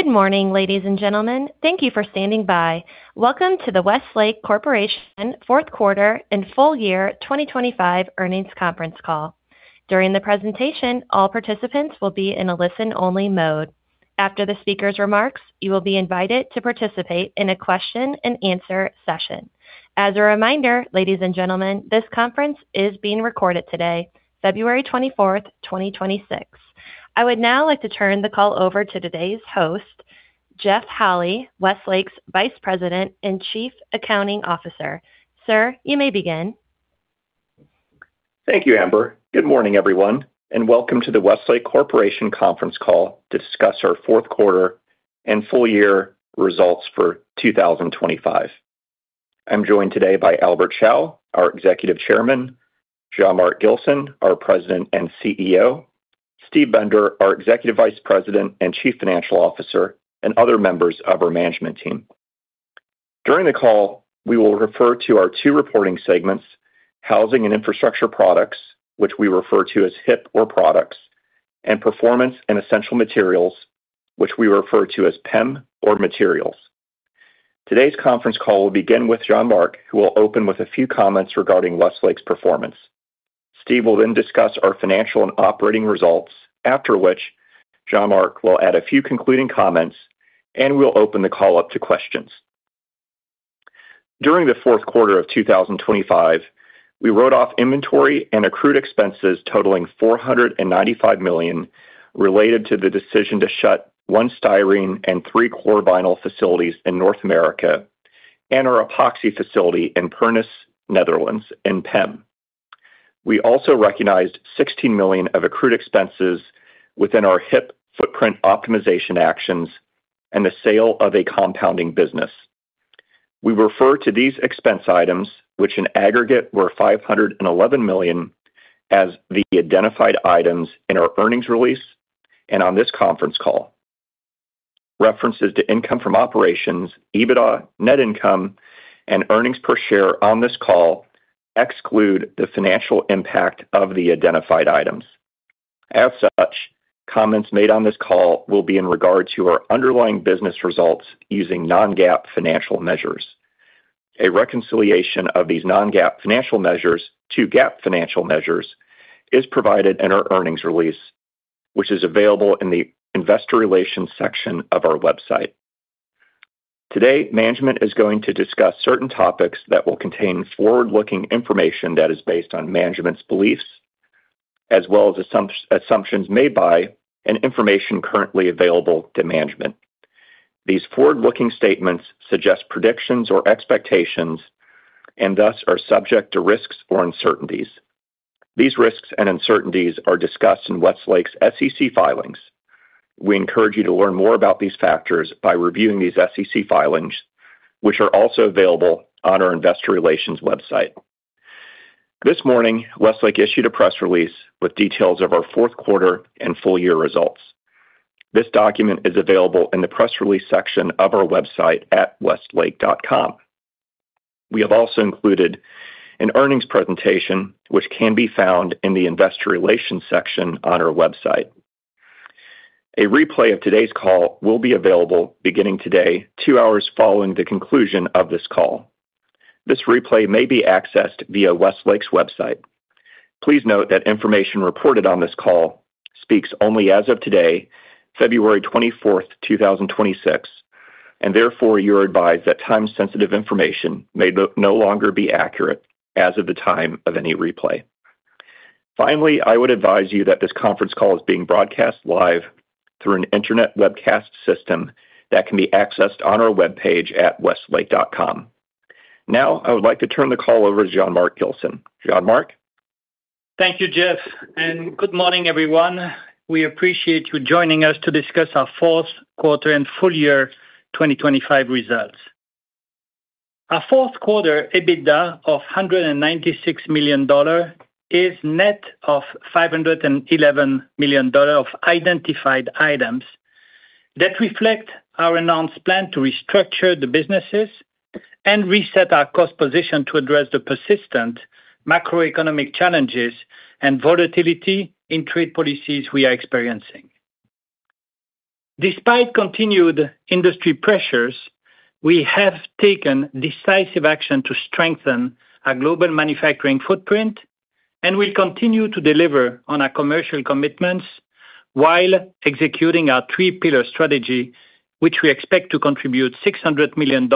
Good morning, ladies and gentlemen. Thank you for standing by. Welcome to the Westlake Corporation fourth quarter and full year 2025 earnings conference call. During the presentation, all participants will be in a listen-only mode. After the speaker's remarks, you will be invited to participate in a question-and-answer session. As a reminder, ladies and gentlemen, this conference is being recorded today, February 24, 2026. I would now like to turn the call over to today's host, Jeff Holy, Westlake's Vice President and Chief Accounting Officer. Sir, you may begin. Thank you, Amber. Good morning, everyone, and welcome to the Westlake Corporation conference call to discuss our fourth quarter and full year results for 2025. I'm joined today by Albert Chao, our Executive Chairman, Jean-Marc Gilson, our President and CEO, Steve Bender, our Executive Vice President and Chief Financial Officer, and other members of our management team. During the call, we will refer to our two reporting segments, Housing and Infrastructure Products, which we refer to as HIP or Products, and Performance and Essential Materials, which we refer to as PEM or Materials. Today's conference call will begin with Jean-Marc, who will open with a few comments regarding Westlake's performance. Steve will then discuss our financial and operating results, after which Jean-Marc will add a few concluding comments, and we'll open the call up to questions. During the fourth quarter of 2025, we wrote off inventory and accrued expenses totaling $495 million, related to the decision to shut one styrene and three chlorovinyl facilities in North America and our epoxy facility in Pernis, Netherlands, in PEM. We also recognized $16 million of accrued expenses within our HIP footprint optimization actions and the sale of a compounding business. We refer to these expense items, which in aggregate were $511 million, as the identified items in our earnings release and on this conference call. References to income from operations, EBITDA, net income, and earnings per share on this call exclude the financial impact of the identified items. As such, comments made on this call will be in regard to our underlying business results using non-GAAP financial measures. A reconciliation of these non-GAAP financial measures to GAAP financial measures is provided in our earnings release, which is available in the investor relations section of our website. Today, management is going to discuss certain topics that will contain forward-looking information that is based on management's beliefs, as well as assumptions made by and information currently available to management. These forward-looking statements suggest predictions or expectations and thus are subject to risks or uncertainties. These risks and uncertainties are discussed in Westlake's SEC filings. We encourage you to learn more about these factors by reviewing these SEC filings, which are also available on our investor relations website. This morning, Westlake issued a press release with details of our fourth quarter and full year results. This document is available in the press release section of our website at westlake.com. We have also included an earnings presentation, which can be found in the investor relations section on our website. A replay of today's call will be available beginning today, two hours following the conclusion of this call. This replay may be accessed via Westlake's website. Please note that information reported on this call speaks only as of today, February twenty-fourth, 2026, and therefore you are advised that time-sensitive information may no longer be accurate as of the time of any replay. Finally, I would advise you that this conference call is being broadcast live through an internet webcast system that can be accessed on our webpage at westlake.com. Now, I would like to turn the call over to Jean-Marc Gilson. Jean-Marc? Thank you, Jeff. Good morning, everyone. We appreciate you joining us to discuss our fourth quarter and full year 2025 results. Our fourth quarter EBITDA of $196 million is net of $511 million of identified items that reflect our announced plan to restructure the businesses and reset our cost position to address the persistent macroeconomic challenges and volatility in trade policies we are experiencing. Despite continued industry pressures, we have taken decisive action to strengthen our global manufacturing footprint, and we continue to deliver on our commercial commitments while executing our three-pillar strategy, which we expect to contribute $600 million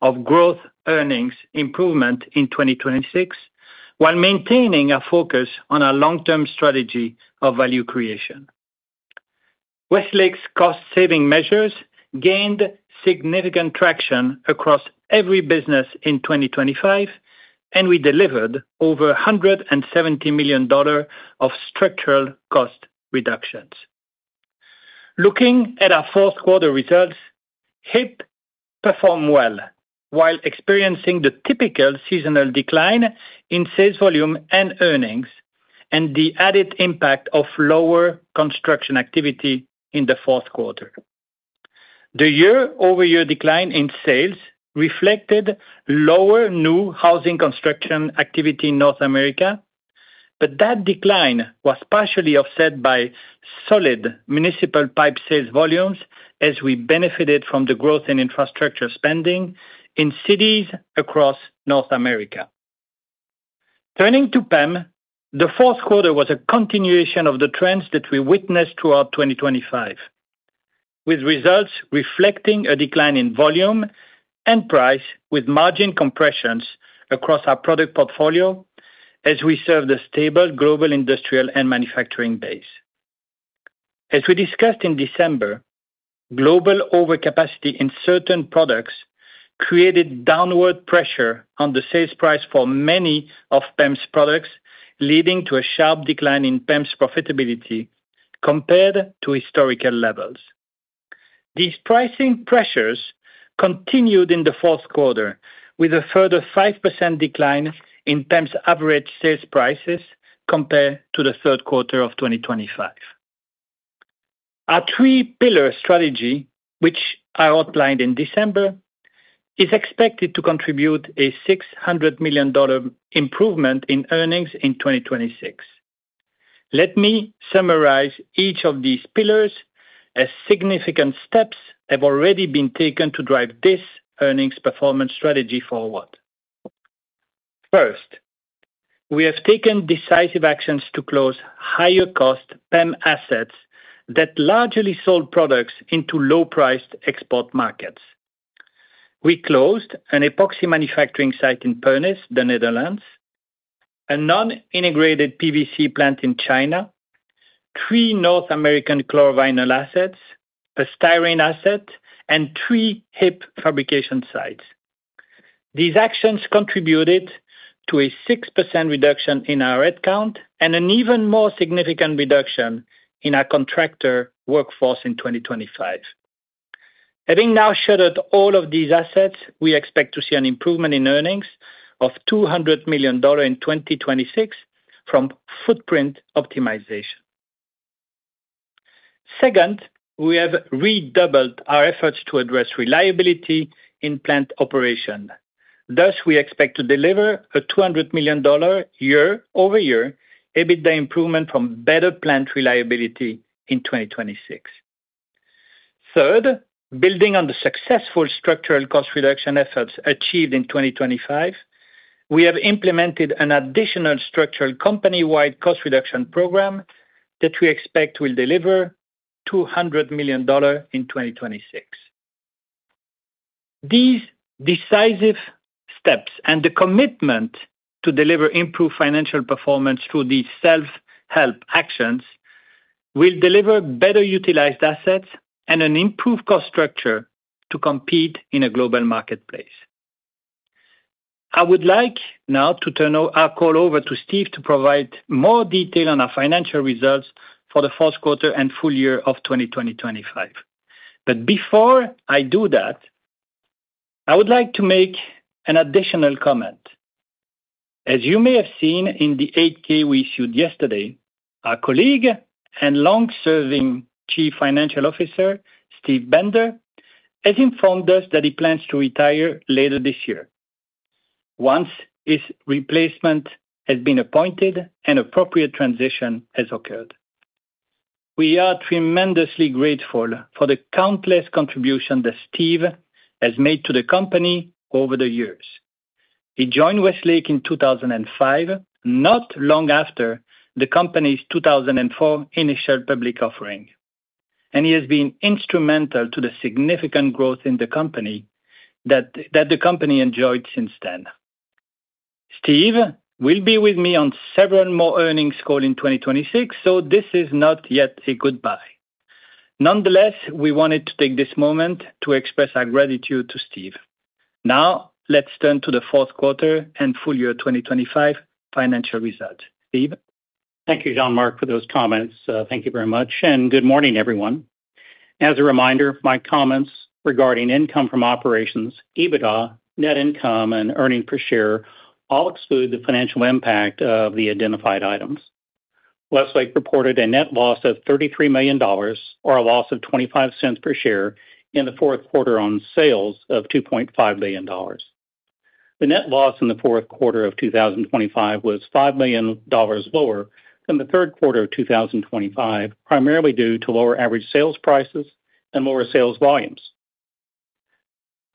of growth earnings improvement in 2026, while maintaining a focus on our long-term strategy of value creation. Westlake's cost-saving measures gained significant traction across every business in 2025, we delivered over $170 million of structural cost reductions. Looking at our fourth quarter results, HIP performed well while experiencing the typical seasonal decline in sales volume and earnings and the added impact of lower construction activity in the fourth quarter. The year-over-year decline in sales reflected lower new housing construction activity in North America. That decline was partially offset by solid municipal pipe sales volumes as we benefited from the growth in infrastructure spending in cities across North America. Turning to PEM, the fourth quarter was a continuation of the trends that we witnessed throughout 2025, with results reflecting a decline in volume and price, with margin compressions across our product portfolio as we serve the stable global industrial and manufacturing base. As we discussed in December, global overcapacity in certain products created downward pressure on the sales price for many of PEM's products, leading to a sharp decline in PEM's profitability compared to historical levels. These pricing pressures continued in the fourth quarter, with a further 5% decline in PEM's average sales prices compared to the third quarter of 2025. Our three-pillar strategy, which I outlined in December, is expected to contribute a $600 million improvement in earnings in 2026. Let me summarize each of these pillars, as significant steps have already been taken to drive this earnings performance strategy forward. First, we have taken decisive actions to close higher cost PEM assets that largely sold products into low-priced export markets. We closed an epoxy manufacturing site in Pernis, the Netherlands, a non-integrated PVC plant in China, three North American chlorovinyl assets, a styrene asset, and three HIP fabrication sites. These actions contributed to a 6% reduction in our head count and an even more significant reduction in our contractor workforce in 2025. Having now shuttered all of these assets, we expect to see an improvement in earnings of $200 million in 2026 from footprint optimization. Second, we have redoubled our efforts to address reliability in plant operation. Thus, we expect to deliver a $200 million year-over-year EBITDA improvement from better plant reliability in 2026. Third, building on the successful structural cost reduction efforts achieved in 2025, we have implemented an additional structural company-wide cost reduction program that we expect will deliver $200 million in 2026. These decisive steps and the commitment to deliver improved financial performance through these self-help actions will deliver better utilized assets and an improved cost structure to compete in a global marketplace. I would like now to turn our call over to Steve to provide more detail on our financial results for the fourth quarter and full year of 2025. Before I do that, I would like to make an additional comment. As you may have seen in the 8-K we issued yesterday, our colleague and long-serving Chief Financial Officer, Steve Bender, has informed us that he plans to retire later this year, once his replacement has been appointed and appropriate transition has occurred. We are tremendously grateful for the countless contributions that Steve has made to the company over the years. He joined Westlake in 2005, not long after the company's 2004 initial public offering, and he has been instrumental to the significant growth in the company that the company enjoyed since then. Steve will be with me on several more earnings call in 2026. This is not yet a goodbye. Nonetheless, we wanted to take this moment to express our gratitude to Steve. Now, let's turn to the fourth quarter and full year 2025 financial results. Steve? Thank you, Jean-Marc, for those comments. Thank you very much, good morning, everyone. As a reminder, my comments regarding income from operations, EBITDA, net income, and earnings per share all exclude the financial impact of the identified items. Westlake reported a net loss of $33 million or a loss of $0.25 per share in the fourth quarter on sales of $2.5 billion. The net loss in the fourth quarter of 2025 was $5 million lower than the third quarter of 2025, primarily due to lower average sales prices and lower sales volumes.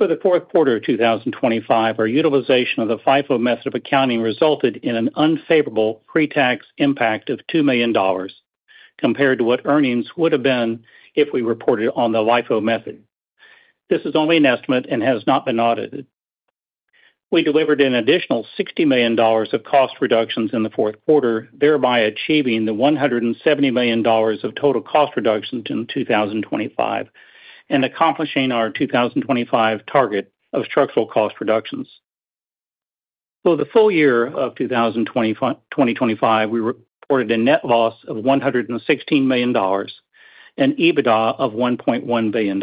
For the fourth quarter of 2025, our utilization of the FIFO method of accounting resulted in an unfavorable pre-tax impact of $2 million, compared to what earnings would have been if we reported on the LIFO method. This is only an estimate and has not been audited. We delivered an additional $60 million of cost reductions in the fourth quarter, thereby achieving the $170 million of total cost reductions in 2025 and accomplishing our 2025 target of structural cost reductions. For the full year of 2025, we reported a net loss of $116 million and EBITDA of $1.1 billion.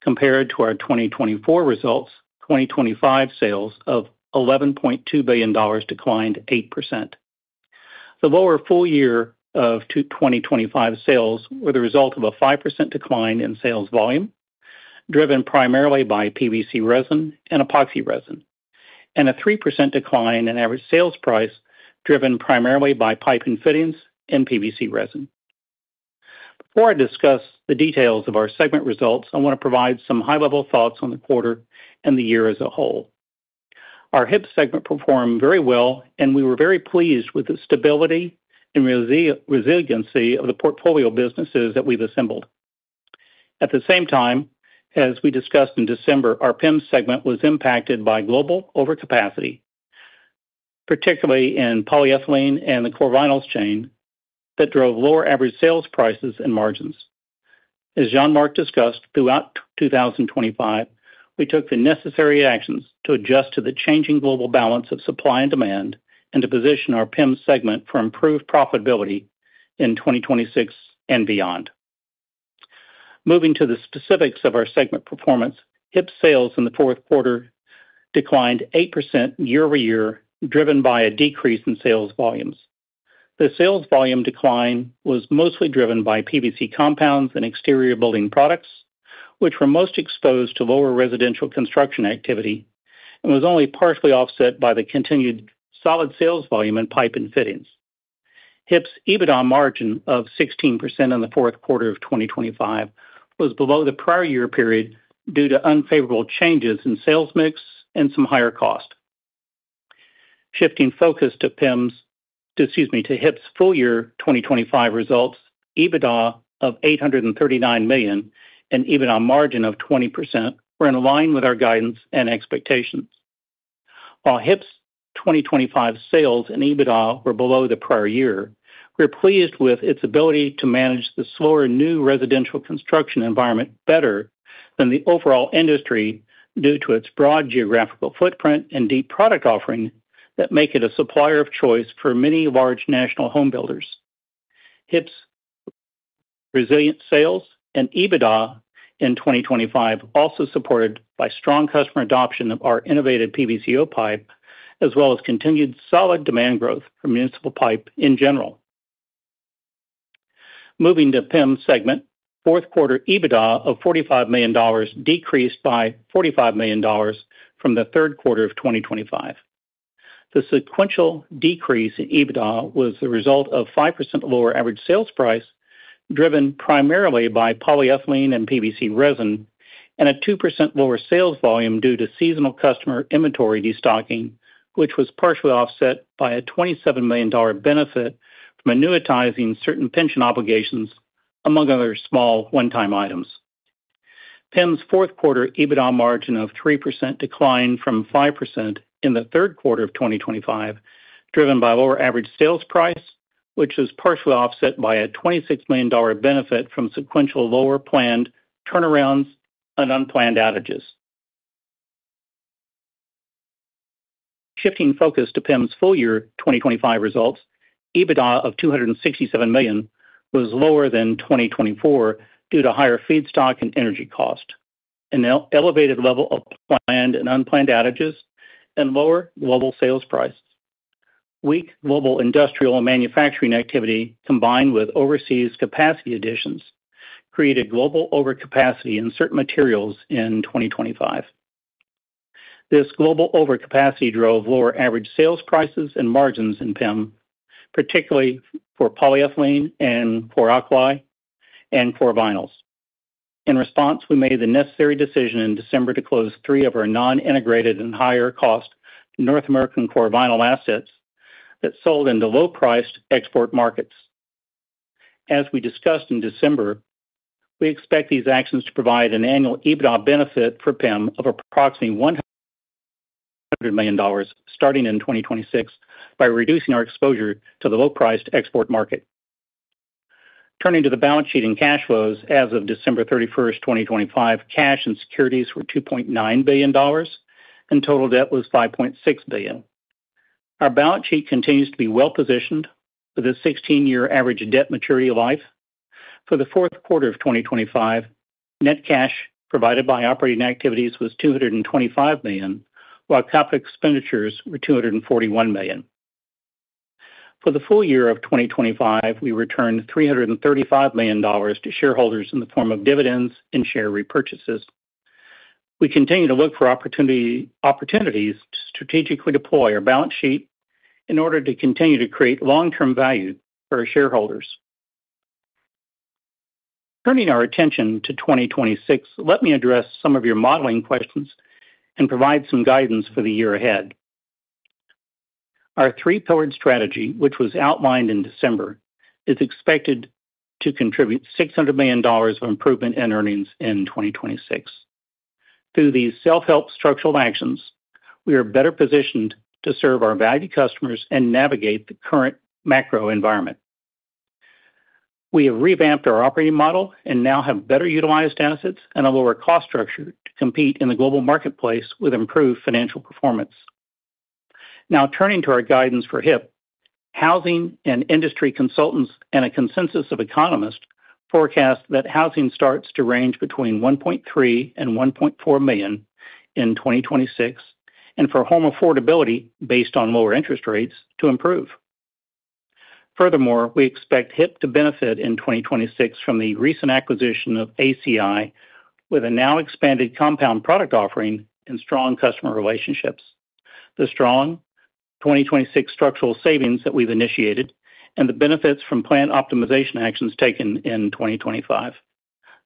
Compared to our 2024 results, 2025 sales of $11.2 billion declined 8%. The lower full year of 2025 sales were the result of a 5% decline in sales volume, driven primarily by PVC resin and epoxy resin, and a 3% decline in average sales price, driven primarily by pipe and fittings and PVC resin. Before I discuss the details of our segment results, I want to provide some high-level thoughts on the quarter and the year as a whole. Our HIP segment performed very well, and we were very pleased with the stability and resiliency of the portfolio businesses that we've assembled. At the same time, as we discussed in December, our PEM segment was impacted by global overcapacity, particularly in polyethylene and the core vinyls chain, that drove lower average sales, prices, and margins. As Jeanmark discussed, throughout 2025, we took the necessary actions to adjust to the changing global balance of supply and demand and to position our PEM segment for improved profitability in 2026 and beyond. Moving to the specifics of our segment performance, HIP sales in the fourth quarter declined 8% year-over-year, driven by a decrease in sales volumes. The sales volume decline was mostly driven by PVC compounds and exterior building products, which were most exposed to lower residential construction activity and was only partially offset by the continued solid sales volume in pipe and fittings. HIP's EBITDA margin of 16% in the fourth quarter of 2025 was below the prior year period due to unfavorable changes in sales mix and some higher costs. Shifting focus to HIP's full year 2025 results, EBITDA of $839 million and EBITDA margin of 20% were in line with our guidance and expectations. While HIP's 2025 sales and EBITDA were below the prior year, we're pleased with its ability to manage the slower new residential construction environment better than the overall industry, due to its broad geographical footprint and deep product offering that make it a supplier of choice for many large national home builders. HIP's resilient sales and EBITDA in 2025, also supported by strong customer adoption of our innovative PVC-O pipe, as well as continued solid demand growth for municipal pipe in general. Moving to PEM segment, fourth quarter EBITDA of $45 million decreased by $45 million from the third quarter of 2025. The sequential decrease in EBITDA was the result of 5% lower average sales price, driven primarily by polyethylene and PVC resin, and a 2% lower sales volume due to seasonal customer inventory destocking, which was partially offset by a $27 million benefit from annuitizing certain pension obligations, among other small one-time items. PEM's fourth quarter EBITDA margin of 3% declined from 5% in the third quarter of 2025, driven by lower average sales price, which was partially offset by a $26 million benefit from sequential lower planned turnarounds and unplanned outages. Shifting focus to PEM's full year 2025 results, EBITDA of $267 million was lower than 2024 due to higher feedstock and energy cost, and an elevated level of planned and unplanned outages and lower global sales price. Weak global industrial and manufacturing activity, combined with overseas capacity additions, created global overcapacity in certain materials in 2025. This global overcapacity drove lower average sales prices and margins in PEM, particularly for polyethylene and chlor-alkali and core vinyls. In response, we made the necessary decision in December to close three of our non-integrated and higher-cost North American core vinyl assets that sold into low-priced export markets. As we discussed in December, we expect these actions to provide an annual EBITDA benefit for PEM of approximately $100 million, starting in 2026, by reducing our exposure to the low-priced export market. Turning to the balance sheet and cash flows. As of December 31st, 2025, cash and securities were $2.9 billion, and total debt was $5.6 billion. Our balance sheet continues to be well-positioned with a 16-year average debt maturity life. For the fourth quarter of 2025, net cash provided by operating activities was $225 million, while capital expenditures were $241 million. For the full year of 2025, we returned $335 million to shareholders in the form of dividends and share repurchases. We continue to look for opportunities to strategically deploy our balance sheet in order to continue to create long-term value for our shareholders. Turning our attention to 2026, let me address some of your modeling questions and provide some guidance for the year ahead. Our three-pillared strategy, which was outlined in December, is expected to contribute $600 million of improvement in earnings in 2026. Through these self-help structural actions, we are better positioned to serve our valued customers and navigate the current macro environment. We have revamped our operating model and now have better-utilized assets and a lower cost structure to compete in the global marketplace with improved financial performance. Turning to our guidance for HIP, housing and industry consultants and a consensus of economists forecast that housing starts to range between 1.3 million and 1.4 million in 2026, and for home affordability, based on lower interest rates, to improve. We expect HIP to benefit in 2026 from the recent acquisition of ACI, with a now expanded compound product offering and strong customer relationships. The strong 2026 structural savings that we've initiated and the benefits from plan optimization actions taken in 2025.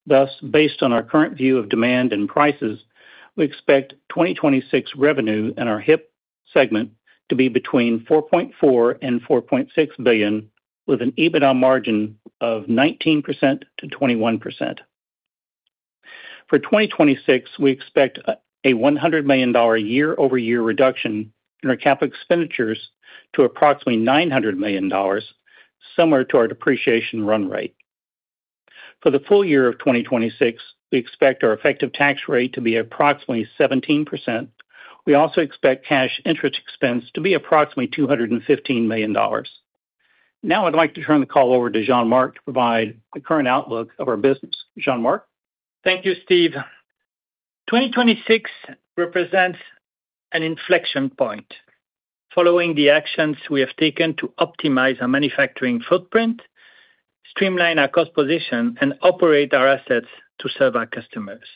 Thus, based on our current view of demand and prices, we expect 2026 revenue in our HIP segment to be between $4.4 billion and $4.6 billion, with an EBITDA margin of 19%-21%. For 2026, we expect a $100 million year-over-year reduction in our capital expenditures to approximately $900 million, similar to our depreciation run rate. For the full year of 2026, we expect our effective tax rate to be approximately 17%. We also expect cash interest expense to be approximately $215 million. Now, I'd like to turn the call over to Jean-Marc to provide the current outlook of our business. Jean-Marc? Thank you, Steve. 2026 represents an inflection point. Following the actions we have taken to optimize our manufacturing footprint, streamline our cost position, and operate our assets to serve our customers.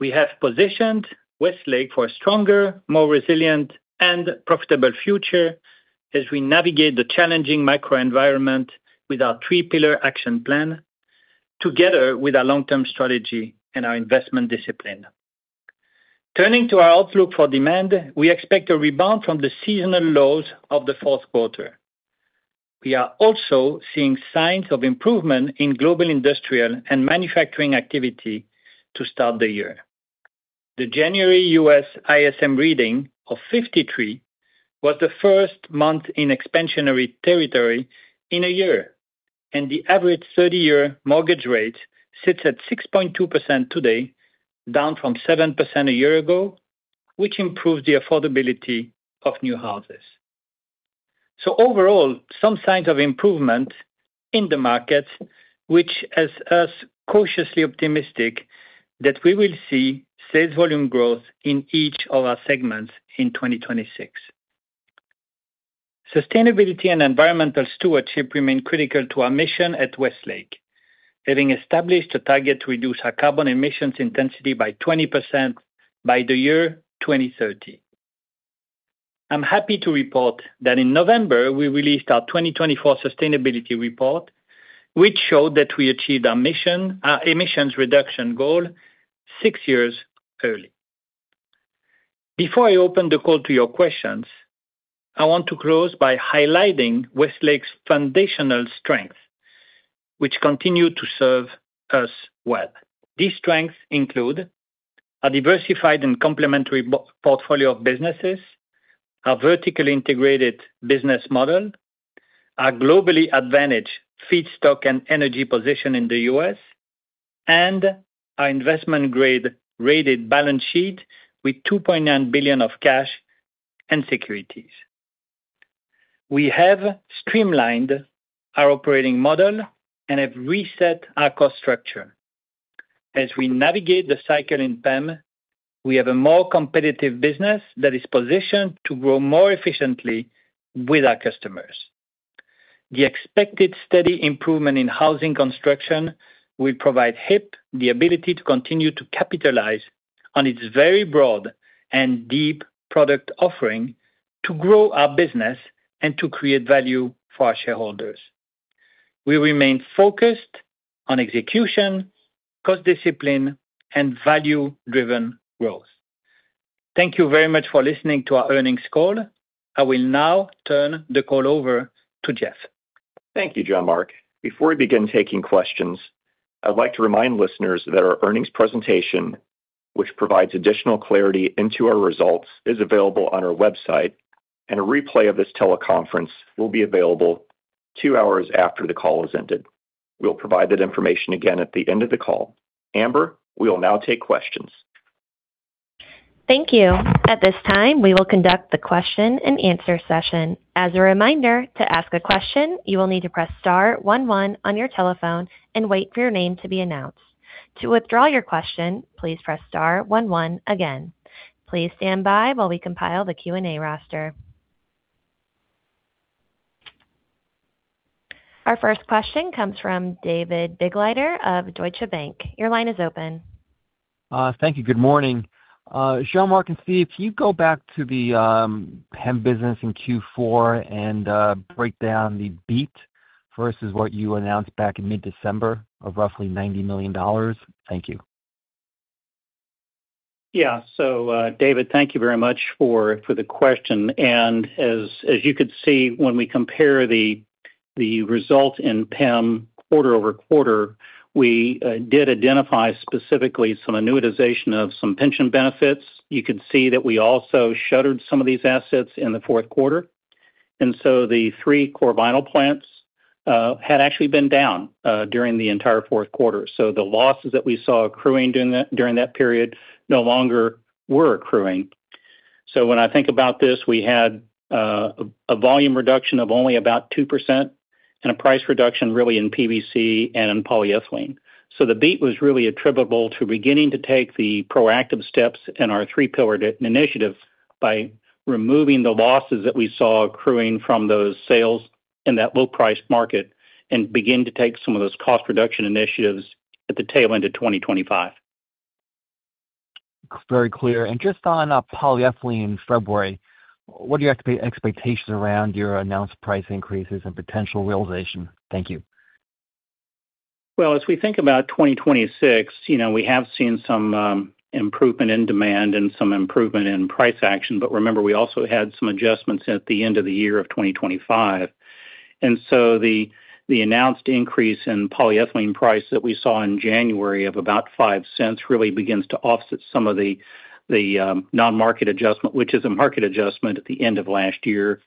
We have positioned Westlake for a stronger, more resilient, and profitable future as we navigate the challenging macroenvironment with our three-pillar action plan, together with our long-term strategy and our investment discipline. Turning to our outlook for demand, we expect a rebound from the seasonal lows of the fourth quarter. We are also seeing signs of improvement in global industrial and manufacturing activity to start the year. The January U.S. ISM reading of 53 was the first month in expansionary territory in a year, and the average 30-year mortgage rate sits at 6.2% today, down from 7% a year ago, which improves the affordability of new houses. Overall, some signs of improvement in the markets, which has us cautiously optimistic that we will see sales volume growth in each of our segments in 2026. Sustainability and environmental stewardship remain critical to our mission at Westlake. Having established a target to reduce our carbon emissions intensity by 20% by the year 2030. I'm happy to report that in November, we released our 2024 sustainability report, which showed that we achieved our emissions reduction goal six years early. Before I open the call to your questions, I want to close by highlighting Westlake's foundational strengths, which continue to serve us well. These strengths include: a diversified and complementary portfolio of businesses, our vertically integrated business model, our globally advantaged feedstock and energy position in the U.S., and our investment-grade rated balance sheet with $2.9 billion of cash and securities. We have streamlined our operating model and have reset our cost structure. As we navigate the cycle in PEM, we have a more competitive business that is positioned to grow more efficiently with our customers. The expected steady improvement in housing construction will provide HIP the ability to continue to capitalize on its very broad and deep product offering to grow our business and to create value for our shareholders. We remain focused on execution, cost discipline, and value-driven growth. Thank you very much for listening to our earnings call. I will now turn the call over to Jeff. Thank you, Jean-Marc. Before we begin taking questions, I'd like to remind listeners that our earnings presentation, which provides additional clarity into our results, is available on our website, and a replay of this teleconference will be available 2 hours after the call has ended. We'll provide that information again at the end of the call. Amber, we will now take questions. Thank you. At this time, we will conduct the question and answer session. As a reminder, to ask a question, you will need to press star one one on your telephone and wait for your name to be announced. To withdraw your question, please press star one one again. Please stand by while we compile the Q&A roster. Our first question comes from David Begleiter of Deutsche Bank. Your line is open. Thank you. Good morning. Jean-Marc and Steve, can you go back to the PEM business in Q4 and break down the beat versus what you announced back in mid-December of roughly $90 million? Thank you. Yeah. David, thank you very much for the question. As you could see, when we compare the results in PEM quarter-over-quarter, we did identify specifically some annuitization of some pension benefits. You can see that we also shuttered some of these assets in the fourth quarter. The three core vinyl plants had actually been down during the entire fourth quarter. The losses that we saw accruing during that period no longer were accruing. When I think about this, we had a volume reduction of only about 2% and a price reduction really in PVC and in polyethylene. The beat was really attributable to beginning to take the proactive steps in our three-pillar initiative by removing the losses that we saw accruing from those sales in that low-priced market and begin to take some of those cost reduction initiatives at the tail end of 2025. Very clear. Just on polyethylene in February, what are your expectations around your announced price increases and potential realization? Thank you. Well, as we think about 2026, you know, we have seen some improvement in demand and some improvement in price action, but remember, we also had some adjustments at the end of the year of 2025. The announced increase in polyethylene price that we saw in January of about $0.05 really begins to offset some of the non-market adjustment, which is a market adjustment at the end of last year.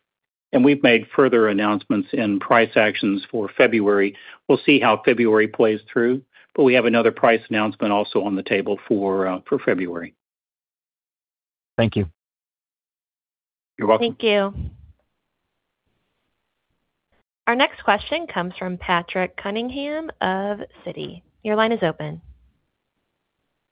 We've made further announcements in price actions for February. We'll see how February plays through, but we have another price announcement also on the table for February. Thank you. You're welcome. Thank you. Our next question comes from Patrick Cunningham of Citi. Your line is open.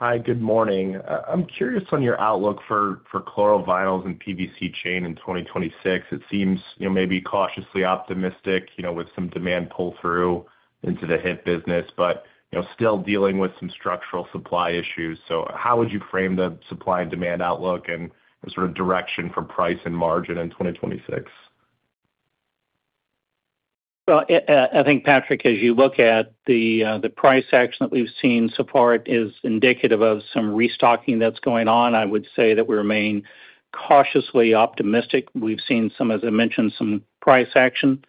Hi, good morning. I'm curious on your outlook for chlorovinyls and PVC chain in 2026. It seems, you know, maybe cautiously optimistic, you know, with some demand pull-through into the HIP business, but, you know, still dealing with some structural supply issues. How would you frame the supply and demand outlook and the sort of direction for price and margin in 2026? Well, I think, Patrick, as you look at the price action that we've seen so far is indicative of some restocking that's going on. I would say that we remain cautiously optimistic. We've seen some, as I mentioned, some price action,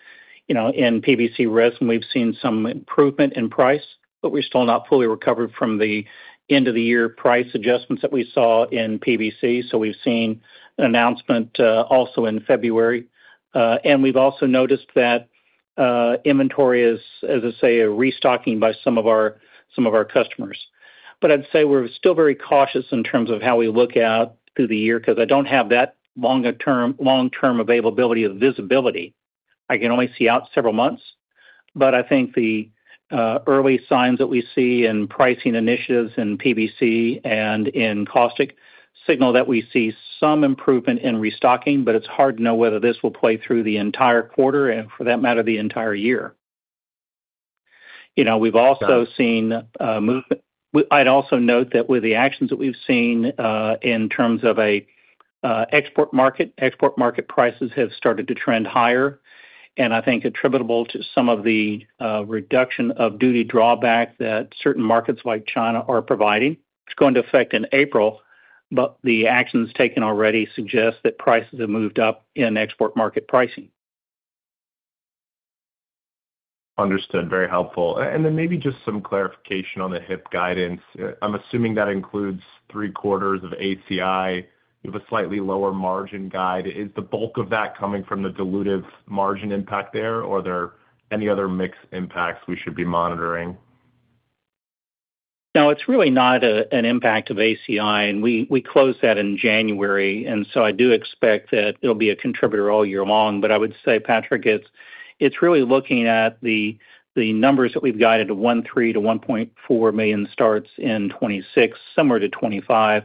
you know, in PVC res, and we've seen some improvement in price, but we're still not fully recovered from the end-of-the-year price adjustments that we saw in PVC. We've seen an announcement also in February. And we've also noticed that inventory is, as I say, a restocking by some of our, some of our customers. I'd say we're still very cautious in terms of how we look out through the year, because I don't have that long-term availability of visibility. I can only see out several months, but I think the early signs that we see in pricing initiatives in PVC and in caustic signal that we see some improvement in restocking, but it's hard to know whether this will play through the entire quarter, and for that matter, the entire year. You know, we've also seen. I'd also note that with the actions that we've seen in terms of a export market, export market prices have started to trend higher, and I think attributable to some of the reduction of duty drawback that certain markets like China are providing. It's going to affect in April, but the actions taken already suggest that prices have moved up in export market pricing. Understood. Very helpful. Maybe just some clarification on the HIP guidance. I'm assuming that includes three-quarters of ACI. You have a slightly lower margin guide. Is the bulk of that coming from the dilutive margin impact there, or are there any other mixed impacts we should be monitoring? No, it's really not an impact of ACI. We closed that in January. I do expect that it'll be a contributor all year long. I would say, Patrick, it's really looking at the numbers that we've guided to 1.3 million-1.4 million starts in 2026, similar to 2025,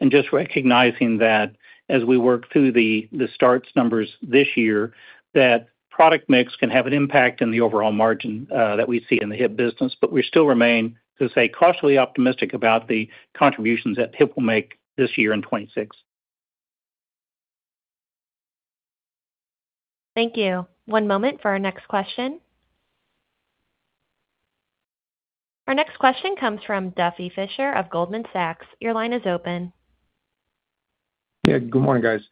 and just recognizing that as we work through the starts numbers this year, that product mix can have an impact on the overall margin that we see in the HIP business. We still remain, to say, cautiously optimistic about the contributions that HIP will make this year in 2026. Thank you. One moment for our next question. Our next question comes from Duffy Fischer of Goldman Sachs. Your line is open. Yeah, good morning, guys.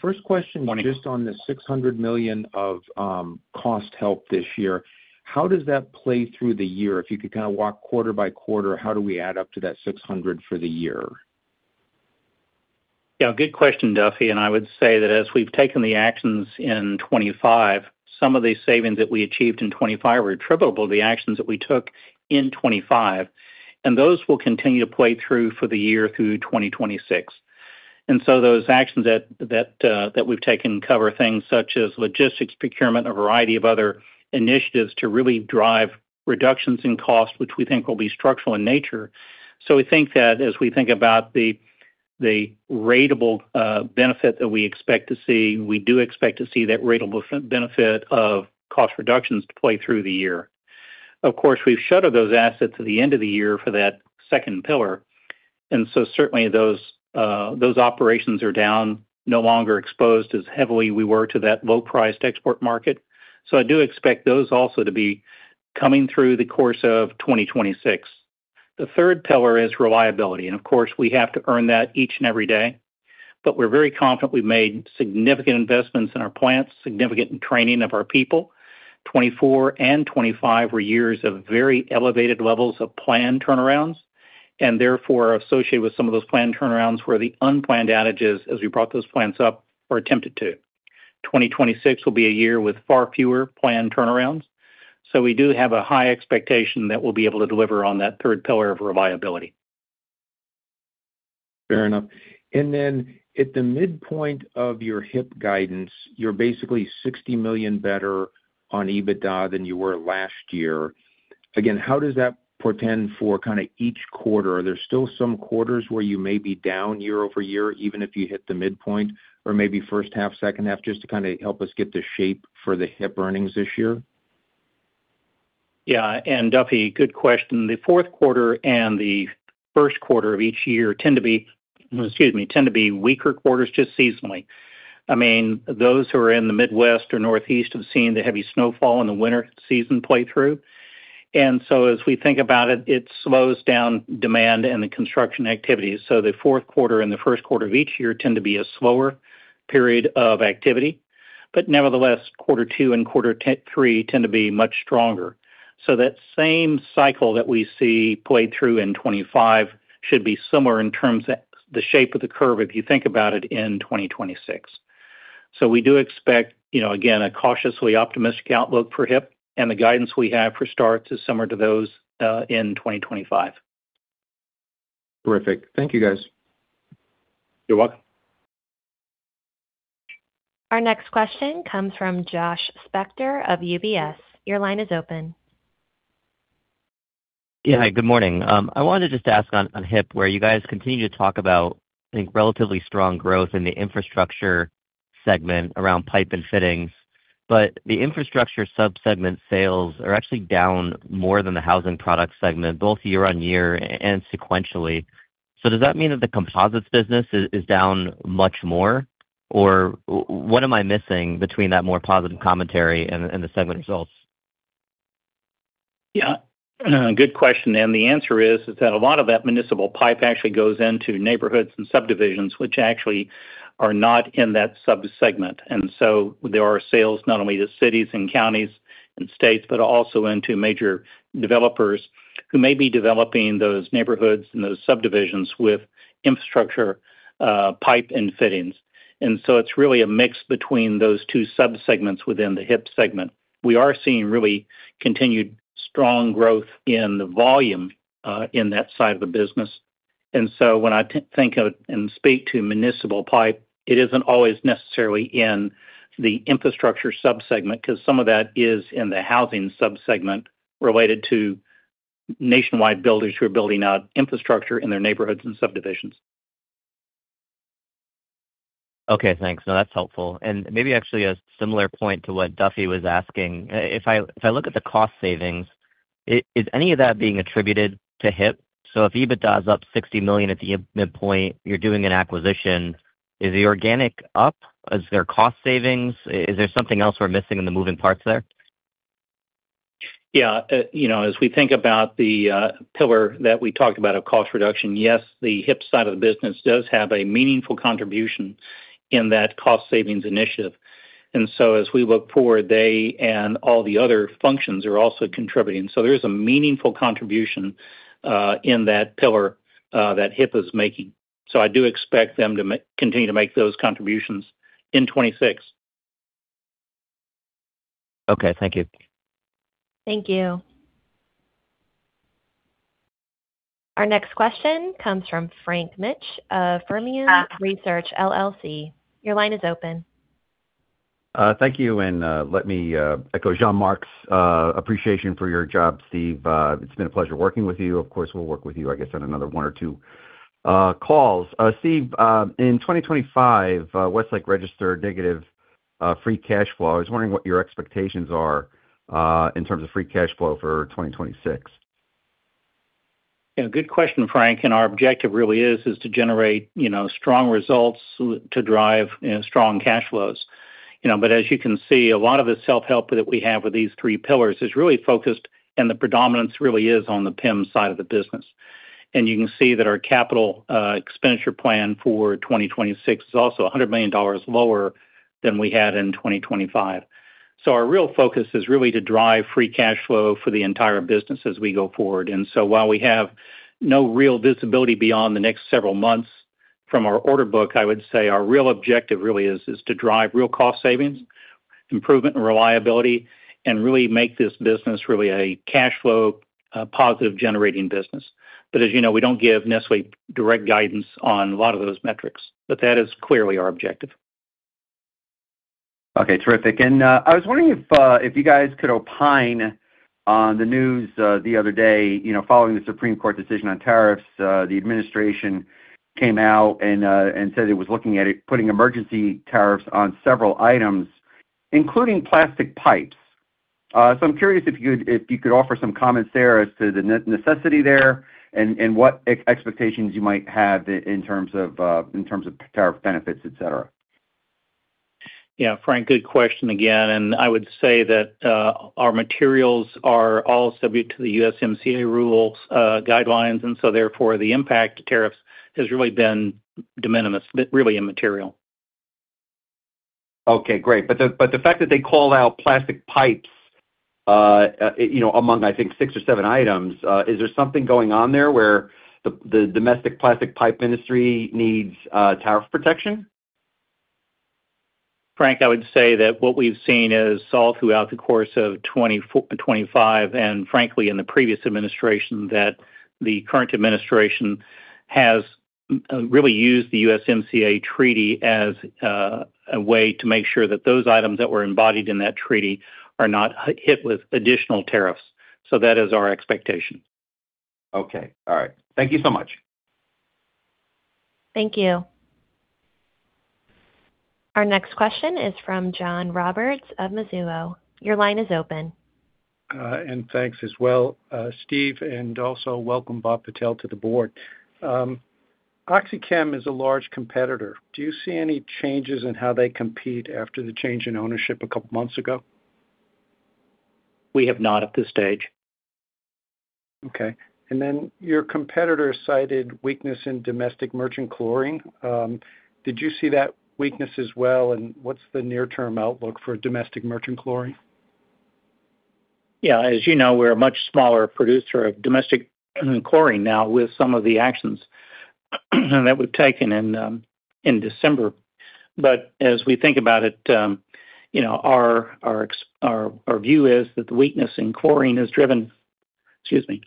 First question. Morning. -just on the $600 million of cost help this year? How does that play through the year? If you could kind of walk quarter by quarter, how do we add up to that $600 for the year? Good question, Duffy. As we've taken the actions in 25, some of these savings that we achieved in 25 were attributable to the actions that we took in 25, and those will continue to play through for the year through 2026. Those actions that we've taken cover things such as logistics, procurement, a variety of other initiatives to really drive reductions in cost, which we think will be structural in nature. We think that as we think about the ratable benefit that we expect to see, we do expect to see that ratable benefit of cost reductions to play through the year. Of course, we've shuttered those assets at the end of the year for that second pillar. Certainly those operations are down, no longer exposed as heavily we were to that low-priced export market. I do expect those also to be coming through the course of 2026. The third pillar is reliability, and of course, we have to earn that each and every day. We're very confident we've made significant investments in our plants, significant training of our people. 2024 and 2025 were years of very elevated levels of planned turnarounds, and therefore, associated with some of those planned turnarounds were the unplanned outages as we brought those plants up or attempted to. 2026 will be a year with far fewer planned turnarounds. We do have a high expectation that we'll be able to deliver on that third pillar of reliability. Fair enough. At the midpoint of your HIP guidance, you're basically $60 million better on EBITDA than you were last year. Again, how does that portend for kind of each quarter? Are there still some quarters where you may be down year-over-year, even if you hit the midpoint, or maybe first half, second half, just to kind of help us get the shape for the HIP earnings this year? Duffy, good question. The 4th quarter and the 1st quarter of each year tend to be, excuse me, tend to be weaker quarters just seasonally. I mean, those who are in the Midwest or Northeast have seen the heavy snowfall in the winter season play through. As we think about it slows down demand and the construction activity. The 4th quarter and the 1st quarter of each year tend to be a slower period of activity, but nevertheless, Q2 and Q3 tend to be much stronger. That same cycle that we see play through in 25 should be similar in terms of the shape of the curve, if you think about it, in 2026. We do expect, you know, again, a cautiously optimistic outlook for HIP, and the guidance we have for starts is similar to those in 2025. Terrific. Thank you, guys. You're welcome. Our next question comes from Josh Spector of UBS. Your line is open. Yeah, good morning. I wanted to just ask on HIP, where you guys continue to talk about, I think, relatively strong growth in the infrastructure segment around pipe and fittings. The infrastructure sub-segment sales are actually down more than the housing product segment, both year-on-year and sequentially. Does that mean that the composites business is down much more, or what am I missing between that more positive commentary and the segment results? Good question, the answer is that a lot of that municipal pipe actually goes into neighborhoods and subdivisions, which actually are not in that subsegment. There are sales not only to cities and counties and states, but also into major developers who may be developing those neighborhoods and those subdivisions with infrastructure, pipe and fittings. It's really a mix between those two subsegments within the HIP segment. We are seeing really continued strong growth in the volume in that side of the business. When I think of and speak to municipal pipe, it isn't always necessarily in the infrastructure subsegment, 'cause some of that is in the housing subsegment related to nationwide builders who are building out infrastructure in their neighborhoods and subdivisions. Okay, thanks. No, that's helpful. Maybe actually a similar point to what Duffy was asking. If I look at the cost savings, is any of that being attributed to HIP? If EBITDA's up $60 million at the midpoint, you're doing an acquisition, is the organic up? Is there cost savings? Is there something else we're missing in the moving parts there? Yeah, you know, as we think about the pillar that we talked about of cost reduction, yes, the HIP side of the business does have a meaningful contribution in that cost savings initiative. As we look forward, they and all the other functions are also contributing. There is a meaningful contribution, in that pillar, that HIP is making. I do expect them to continue to make those contributions in 2026. Okay, thank you. Thank you. Our next question comes from Frank Mitsch of Fermium Research. Your line is open. Thank you, and let me echo Jean-Marc's appreciation for your job, Steve. It's been a pleasure working with you. Of course, we'll work with you, I guess, on another one or two calls. Steve, in 2025, Westlake registered negative free cash flow. I was wondering what your expectations are in terms of free cash flow for 2026. Yeah, good question, Frank. Our objective really is to generate, you know, strong results to drive, you know, strong cash flows. You know, as you can see, a lot of the self-help that we have with these three-pillars is really focused, and the predominance really is on the PEM side of the business. You can see that our capital expenditure plan for 2026 is also $100 million lower than we had in 2025. Our real focus is really to drive free cash flow for the entire business as we go forward. While we have no real visibility beyond the next several months from our order book, I would say our real objective really is to drive real cost savings, improvement and reliability, and really make this business really a cash flow positive generating business. As you know, we don't give necessarily direct guidance on a lot of those metrics, but that is clearly our objective. Okay, terrific. I was wondering if you guys could opine on the news the other day. You know, following the Supreme Court decision on tariffs, the administration came out and said it was looking at it, putting emergency tariffs on several items, including plastic pipes. I'm curious if you could offer some comments there as to the necessity there and what expectations you might have in terms of tariff benefits, et cetera. Yeah, Frank, good question again. I would say that our materials are all subject to the USMCA rules, guidelines. Therefore, the impact to tariffs has really been de minimis, really immaterial. Okay, great. The fact that they called out plastic pipes-... you know, among, I think, six or seven items. Is there something going on there where the domestic plastic pipe industry needs tariff protection? Frank, I would say that what we've seen is saw throughout the course of 2025, and frankly, in the previous administration, that the current administration has really used the USMCA treaty as a way to make sure that those items that were embodied in that treaty are not hit with additional tariffs. That is our expectation. Okay, all right. Thank you so much. Thank you. Our next question is from John Roberts of Mizuho. Your line is open. Thanks as well, Steve, and also welcome Bob Patel to the board. OxyChem is a large competitor. Do you see any changes in how they compete after the change in ownership a couple months ago? We have not at this stage. Okay, your competitor cited weakness in domestic merchant chlorine. Did you see that weakness as well, and what's the near-term outlook for domestic merchant chlorine? Yeah, as you know, we're a much smaller producer of domestic chlorine now with some of the actions, that we've taken in December. As we think about it, you know, our view is that the weakness in chlorine is driven. Excuse me.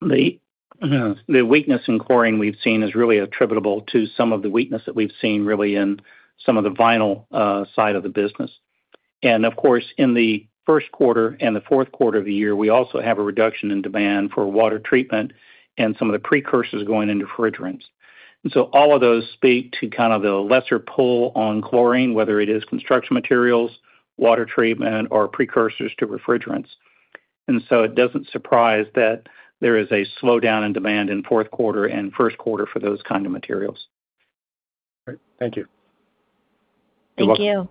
The weakness in chlorine we've seen is really attributable to some of the weakness that we've seen really in some of the vinyl side of the business. Of course, in the first quarter and the fourth quarter of the year, we also have a reduction in demand for water treatment and some of the precursors going into refrigerants. All of those speak to kind of the lesser pull on chlorine, whether it is construction materials, water treatment, or precursors to refrigerants. It doesn't surprise that there is a slowdown in demand in fourth quarter and first quarter for those kind of materials. All right. Thank you. You're welcome. Thank you.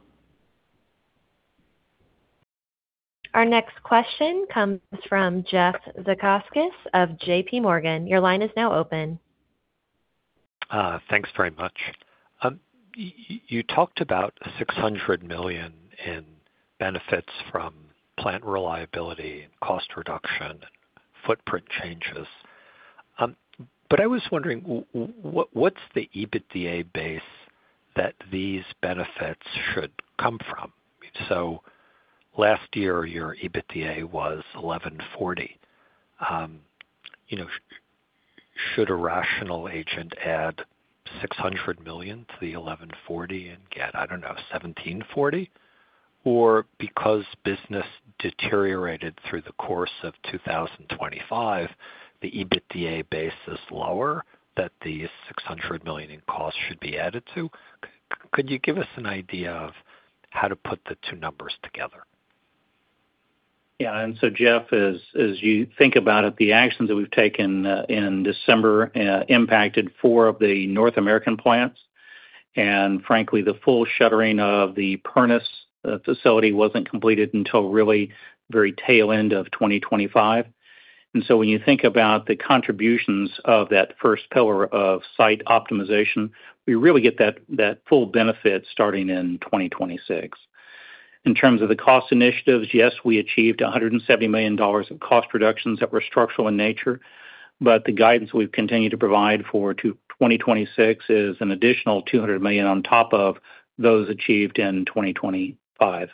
Our next question comes from Jeffrey Zekauskas of JP Morgan. Your line is now open. Thanks very much. You talked about $600 million in benefits from plant reliability and cost reduction, footprint changes. I was wondering, what's the EBITDA base that these benefits should come from? Last year, your EBITDA was $1,140. You know, should a rational agent add $600 million to the $1,140 and get, I don't know, $1,740? Because business deteriorated through the course of 2025, the EBITDA base is lower than the $600 million in costs should be added to? Could you give us an idea of how to put the two numbers together? Yeah, Jeff, as you think about it, the actions that we've taken, in December, impacted four of the North American plants, and frankly, the full shuttering of the Pernis facility wasn't completed until really very tail end of 2025. When you think about the contributions of that first pillar of site optimization, we really get that full benefit starting in 2026. In terms of the cost initiatives, yes, we achieved $170 million of cost reductions that were structural in nature, but the guidance we've continued to provide for to 2026 is an additional $200 million on top of those achieved in 2025.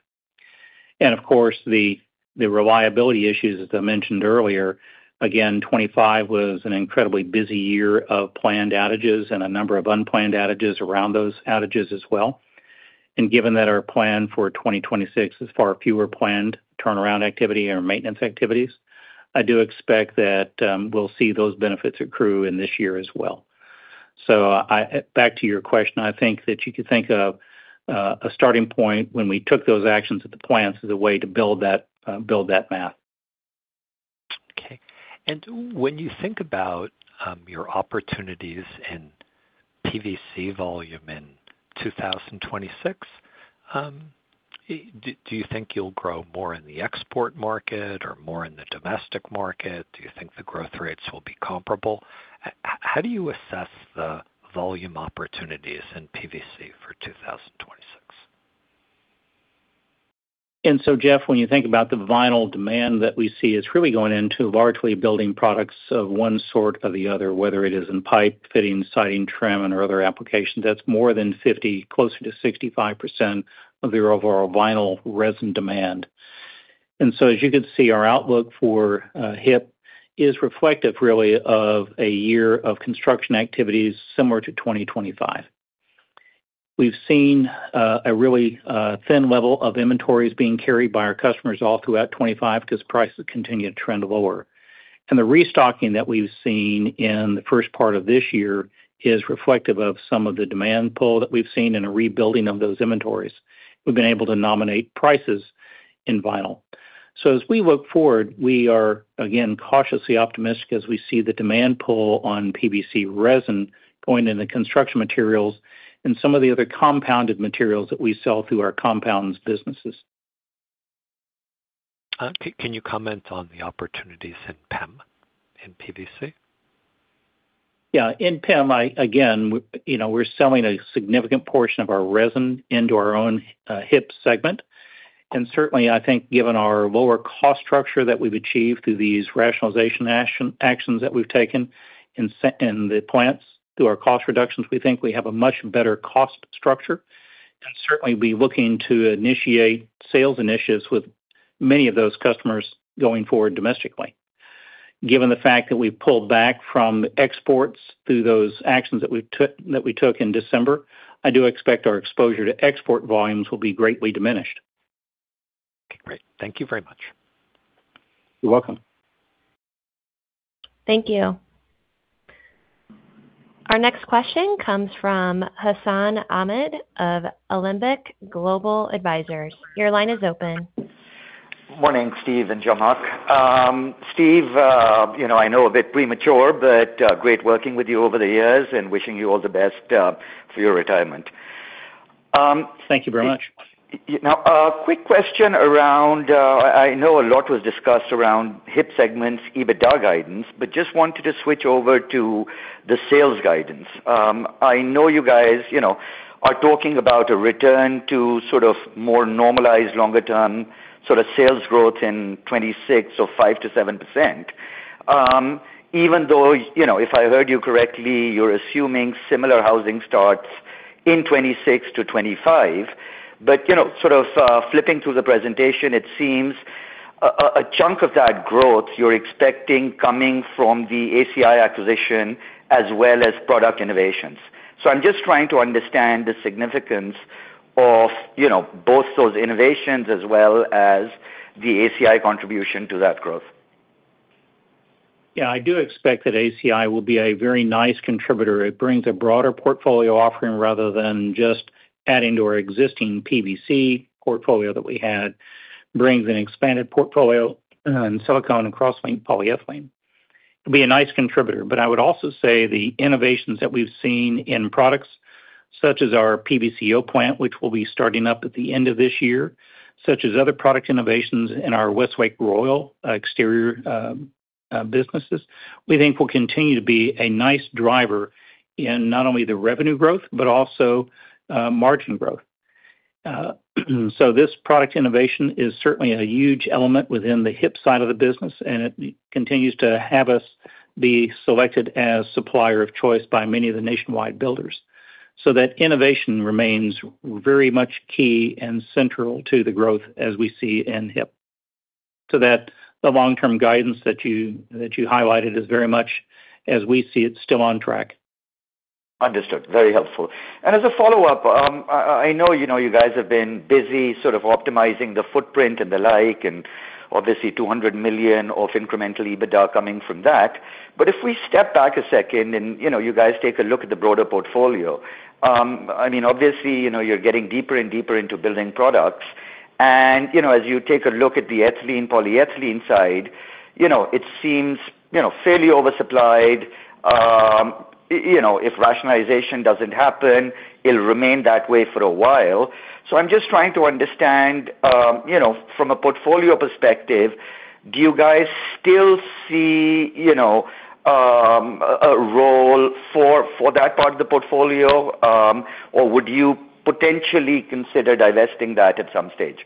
Of course, the reliability issues, as I mentioned earlier, again, 2025 was an incredibly busy year of planned outages and a number of unplanned outages around those outages as well. Given that our plan for 2026 is far fewer planned turnaround activity or maintenance activities, I do expect that we'll see those benefits accrue in this year as well. Back to your question, I think that you could think of a starting point when we took those actions at the plants as a way to build that, build that math. Okay. When you think about your opportunities in PVC volume in 2026, do you think you'll grow more in the export market or more in the domestic market? Do you think the growth rates will be comparable? How do you assess the volume opportunities in PVC for 2026? Jeff, when you think about the vinyl demand that we see, it's really going into largely building products of one sort or the other, whether it is in pipe, fitting, siding, trim, and/or other applications. That's more than 50, closer to 65% of the overall vinyl resin demand. As you can see, our outlook for HIP is reflective really of a year of construction activities similar to 2025. We've seen a really thin level of inventories being carried by our customers all throughout 2025 because prices continued to trend lower. The restocking that we've seen in the first part of this year is reflective of some of the demand pull that we've seen in a rebuilding of those inventories. We've been able to nominate prices in vinyl. As we look forward, we are again, cautiously optimistic as we see the demand pull on PVC resin going in the construction materials and some of the other compounded materials that we sell through our compounds businesses. Can you comment on the opportunities in PEM and PVC? Yeah. In PEM, I, again, you know, we're selling a significant portion of our resin into our own HIP segment. Certainly, I think given our lower cost structure that we've achieved through these rationalization actions that we've taken in the plants, through our cost reductions, we think we have a much better cost structure, and certainly be looking to initiate sales initiatives with many of those customers going forward domestically. Given the fact that we've pulled back from exports through those actions that we took in December, I do expect our exposure to export volumes will be greatly diminished. Okay, great. Thank you very much. You're welcome. Thank you. Our next question comes from Hassan Ahmed of Alembic Global Advisors. Your line is open. Morning, Steve and Jean-Marc. Steve, you know, I know a bit premature, but great working with you over the years and wishing you all the best, for your retirement. Thank you very much. Now, a quick question around. I know a lot was discussed around HIP segments, EBITDA guidance, but just wanted to switch over to the sales guidance. I know you guys, you know, are talking about a return to sort of more normalized, longer term, sort of sales growth in 2026 or 5%-7%. Even though, you know, if I heard you correctly, you're assuming similar housing starts in 2026 to 2025. You know, sort of, flipping through the presentation, it seems a chunk of that growth you're expecting coming from the ACI acquisition as well as product innovations. I'm just trying to understand the significance of, you know, both those innovations as well as the ACI contribution to that growth. I do expect that ACI will be a very nice contributor. It brings a broader portfolio offering, rather than just adding to our existing PVC portfolio that we had. Brings an expanded portfolio in silicone and cross-linked polyethylene. It'll be a nice contributor. I would also say the innovations that we've seen in products such as our PVC-O plant, which will be starting up at the end of this year, such as other product innovations in our Westlake Royal exterior businesses, we think will continue to be a nice driver in not only the revenue growth, but also margin growth. This product innovation is certainly a huge element within the HIP side of the business, and it continues to have us be selected as supplier of choice by many of the nationwide builders. That innovation remains very much key and central to the growth as we see in HIP, so that the long-term guidance that you highlighted is very much as we see it, still on track. Understood. Very helpful. As a follow-up, I know, you know, you guys have been busy sort of optimizing the footprint and the like, and obviously $200 million of incremental EBITDA coming from that. If we step back a second and, you know, you guys take a look at the broader portfolio, I mean, obviously, you know, you're getting deeper and deeper into building products. As you take a look at the ethylene, polyethylene side, you know, it seems, you know, fairly oversupplied. You know, if rationalization doesn't happen, it'll remain that way for a while. I'm just trying to understand, you know, from a portfolio perspective, do you guys still see, you know, a role for that part of the portfolio? Would you potentially consider divesting that at some stage?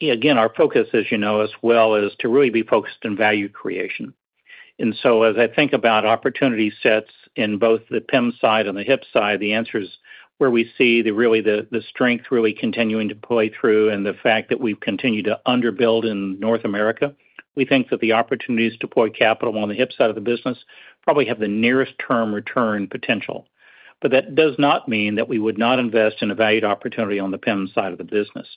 Again, our focus, as you know as well, is to really be focused on value creation. As I think about opportunity sets in both the PEM side and the HIP side, the answer is, where we see the strength really continuing to play through and the fact that we've continued to underbuild in North America, we think that the opportunities to deploy capital on the HIP side of the business probably have the nearest term return potential. That does not mean that we would not invest in a valued opportunity on the PEM side of the business.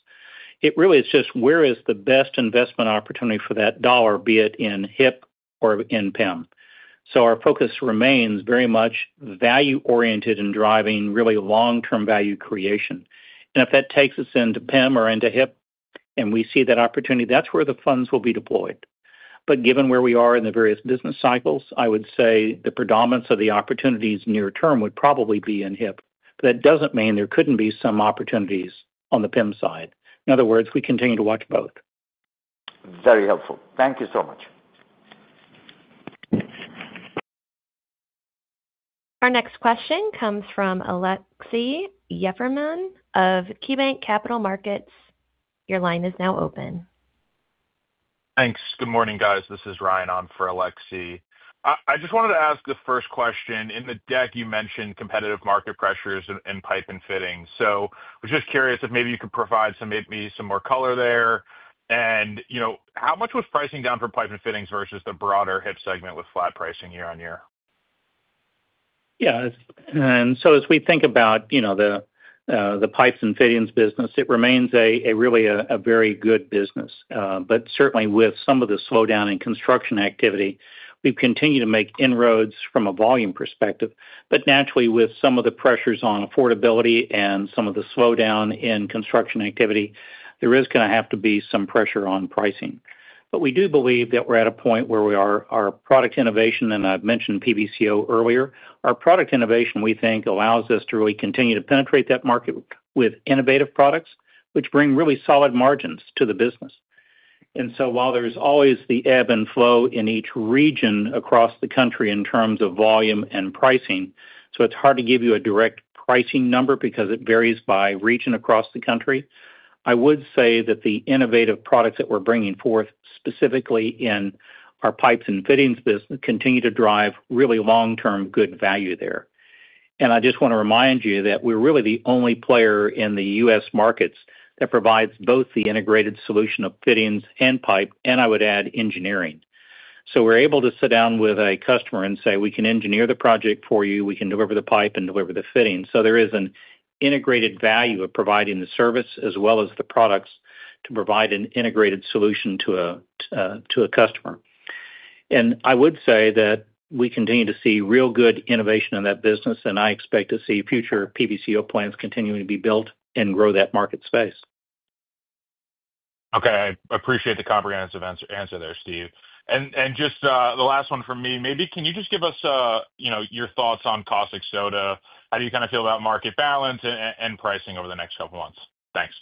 It really is just where is the best investment opportunity for that dollar, be it in HIP or in PEM. Our focus remains very much value-oriented in driving really long-term value creation. If that takes us into PEM or into HIP, and we see that opportunity, that's where the funds will be deployed. Given where we are in the various business cycles, I would say the predominance of the opportunities near term would probably be in HIP. That doesn't mean there couldn't be some opportunities on the PEM side. In other words, we continue to watch both. Very helpful. Thank you so much. Our next question comes from Aleksey Yefremov of KeyBanc Capital Markets. Your line is now open. Thanks. Good morning, guys. This is Ryan on for Alexi. I just wanted to ask the first question. In the deck, you mentioned competitive market pressures in pipe and fittings. I was just curious if maybe you could provide maybe some more color there. You know, how much was pricing down for pipe and fittings versus the broader HIP segment with flat pricing year-on-year? Yeah. As we think about, you know, the pipes and fittings business, it remains a really, a very good business. Certainly with some of the slowdown in construction activity, we've continued to make inroads from a volume perspective. Naturally, with some of the pressures on affordability and some of the slowdown in construction activity, there is gonna have to be some pressure on pricing... We do believe that we're at a point where we are, our product innovation, and I've mentioned PBCO earlier. Our product innovation, we think, allows us to really continue to penetrate that market with innovative products, which bring really solid margins to the business. While there's always the ebb and flow in each region across the country in terms of volume and pricing, so it's hard to give you a direct pricing number because it varies by region across the country. I would say that the innovative products that we're bringing forth, specifically in our Pipe and fittings business, continue to drive really long-term good value there. I just want to remind you that we're really the only player in the U.S. markets that provides both the integrated solution of fittings and pipe, and I would add engineering. We're able to sit down with a customer and say, "We can engineer the project for you. We can deliver the pipe and deliver the fittings." There is an integrated value of providing the service as well as the products to provide an integrated solution to a customer. I would say that we continue to see real good innovation in that business, and I expect to see future PBCO plants continuing to be built and grow that market space. Okay, I appreciate the comprehensive answer there, Steve. Just, the last one from me, maybe can you just give us, you know, your thoughts on caustic soda? How do you kind of feel about market balance and pricing over the next couple of months? Thanks.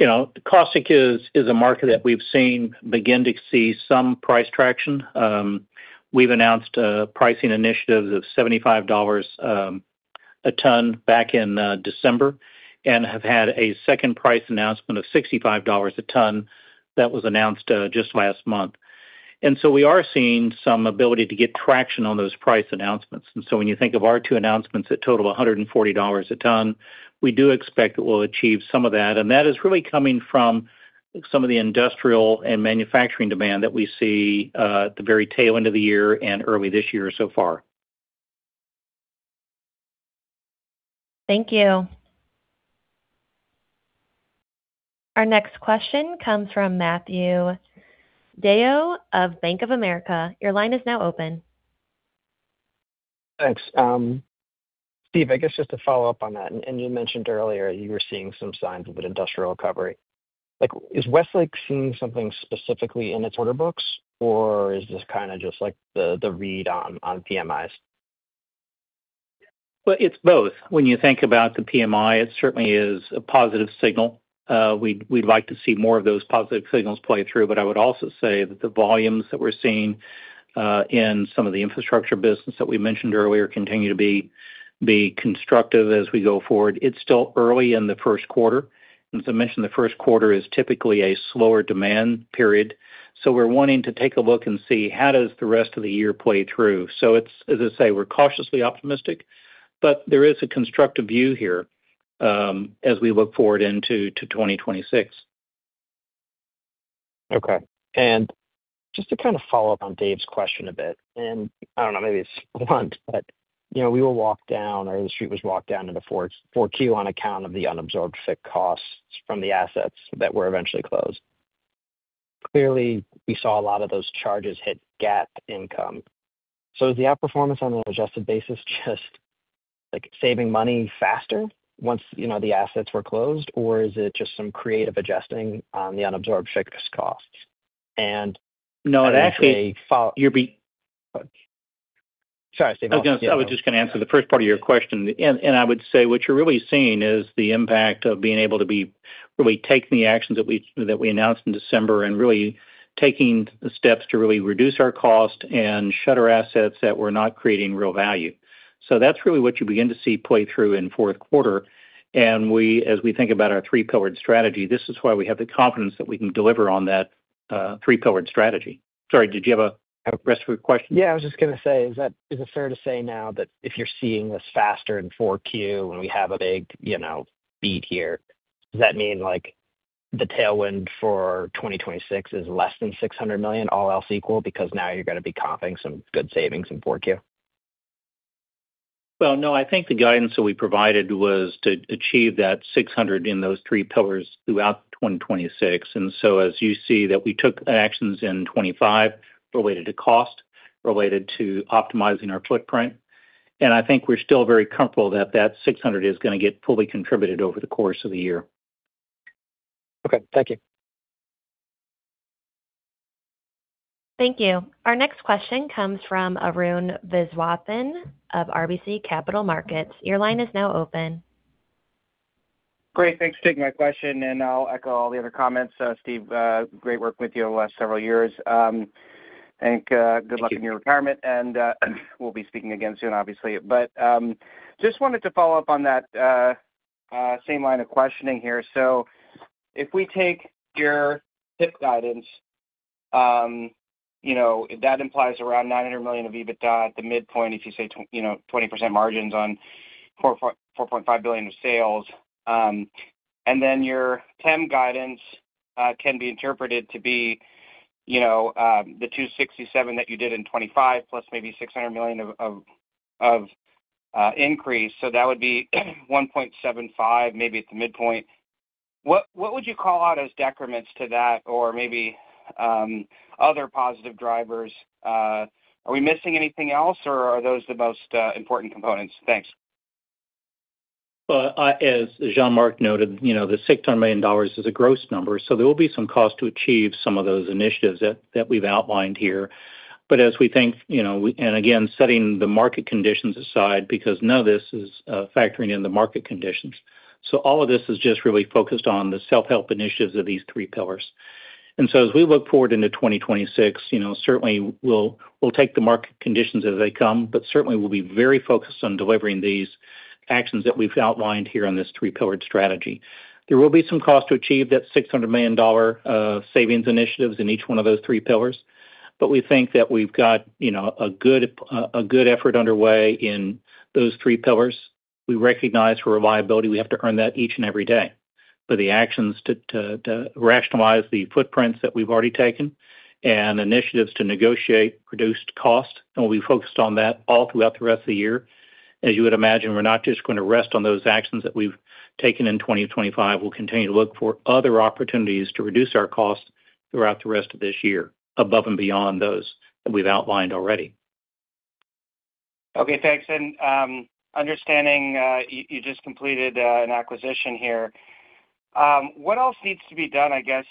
You know, caustic is a market that we've seen begin to see some price traction. We've announced pricing initiatives of $75 a ton back in December and have had a second price announcement of $65 a ton that was announced just last month. We are seeing some ability to get traction on those price announcements. When you think of our two announcements that total $140 a ton, we do expect that we'll achieve some of that. That is really coming from some of the industrial and manufacturing demand that we see at the very tail end of the year and early this year so far. Thank you. Our next question comes from Matthew DeYoe of Bank of America. Your line is now open. Thanks. Steve, I guess just to follow up on that, and you mentioned earlier you were seeing some signs of an industrial recovery. Like, is Westlake seeing something specifically in its order books, or is this kind of just like the read on PMIs? Well, it's both. When you think about the PMI, it certainly is a positive signal. We'd like to see more of those positive signals play through, but I would also say that the volumes that we're seeing in some of the infrastructure business that we mentioned earlier, continue to be constructive as we go forward. It's still early in the first quarter. As I mentioned, the first quarter is typically a slower demand period, we're wanting to take a look and see how does the rest of the year play through. As I say, we're cautiously optimistic, but there is a constructive view here as we look forward into 2026. Okay. Just to kind of follow up on Dave's question a bit, I don't know, maybe it's blunt, but, you know, we were walked down or the Street was walked down into 4Q on account of the unabsorbed fixed costs from the assets that were eventually closed. Clearly, we saw a lot of those charges hit GAAP income. Is the outperformance on an adjusted basis just like saving money faster once, you know, the assets were closed, or is it just some creative adjusting on the unabsorbed fixed costs? No, it. Sorry, Steve. I was just gonna answer the first part of your question. I would say what you're really seeing is the impact of being able to be really taking the actions that we announced in December and really taking the steps to really reduce our cost and shutter assets that were not creating real value. That's really what you begin to see play through in fourth quarter, and as we think about our three-pillared strategy, this is why we have the confidence that we can deliver on that three-pillared strategy. Sorry, did you have a rest of your question? I was just gonna say, is it fair to say now that if you're seeing this faster in 4Q and we have a big, you know, beat here, does that mean like the tailwind for 2026 is less than $600 million, all else equal, because now you're gonna be comping some good savings in 4Q? Well, no, I think the guidance that we provided was to achieve that $600 in those three-pillars throughout 2026. As you see, that we took actions in 2025 related to cost, related to optimizing our footprint, and I think we're still very comfortable that that $600 is going to get fully contributed over the course of the year. Okay. Thank you. Thank you. Our next question comes from Arun Viswanathan of RBC Capital Markets. Your line is now open. Great. Thanks for taking my question. I'll echo all the other comments. Steve, great work with you over the last several years. Good luck in your retirement, and we'll be speaking again soon, obviously. Just wanted to follow up on that same line of questioning here. If we take your HIP guidance, you know, that implies around $900 million of EBITDA at the midpoint, if you say you know, 20% margins on $4.5 billion of sales. Your PEM guidance can be interpreted to be, you know, the $267 million that you did in 2025, plus maybe $600 million of increase. That would be $1.75 billion, maybe at the midpoint. What would you call out as decrements to that or maybe other positive drivers? Are we missing anything else, or are those the most important components? Thanks. Well, as Jean-Marc noted, you know, the $600 million is a gross number, so there will be some cost to achieve some of those initiatives that we've outlined here. As we think, you know, and again, setting the market conditions aside, because none of this is factoring in the market conditions. All of this is just really focused on the self-help initiatives of these three-pillars. As we look forward into 2026, you know, certainly we'll take the market conditions as they come, but certainly we'll be very focused on delivering these actions that we've outlined here on this three-pillared strategy. There will be some cost to achieve that $600 million savings initiatives in each one of those three-pillars. We think that we've got, you know, a good, a good effort underway in those three-pillars. We recognize for reliability, we have to earn that each and every day. The actions to rationalize the footprints that we've already taken and initiatives to negotiate reduced costs, and we'll be focused on that all throughout the rest of the year. As you would imagine, we're not just going to rest on those actions that we've taken in 2025. We'll continue to look for other opportunities to reduce our costs throughout the rest of this year, above and beyond those that we've outlined already. Okay, thanks. Understanding, you just completed an acquisition here. What else needs to be done, I guess,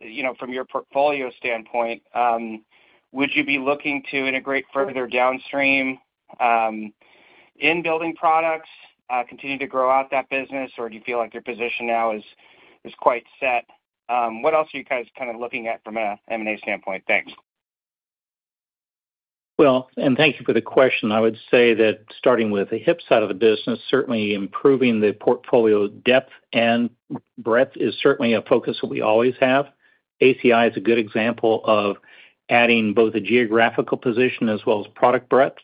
you know, from your portfolio standpoint? Would you be looking to integrate further downstream in building products, continue to grow out that business, or do you feel like your position now is quite set? What else are you guys kind of looking at from an M&A standpoint? Thanks. Well, thank you for the question. I would say that starting with the HIP side of the business, certainly improving the portfolio depth and breadth is certainly a focus that we always have. ACI is a good example of adding both a geographical position as well as product breadth.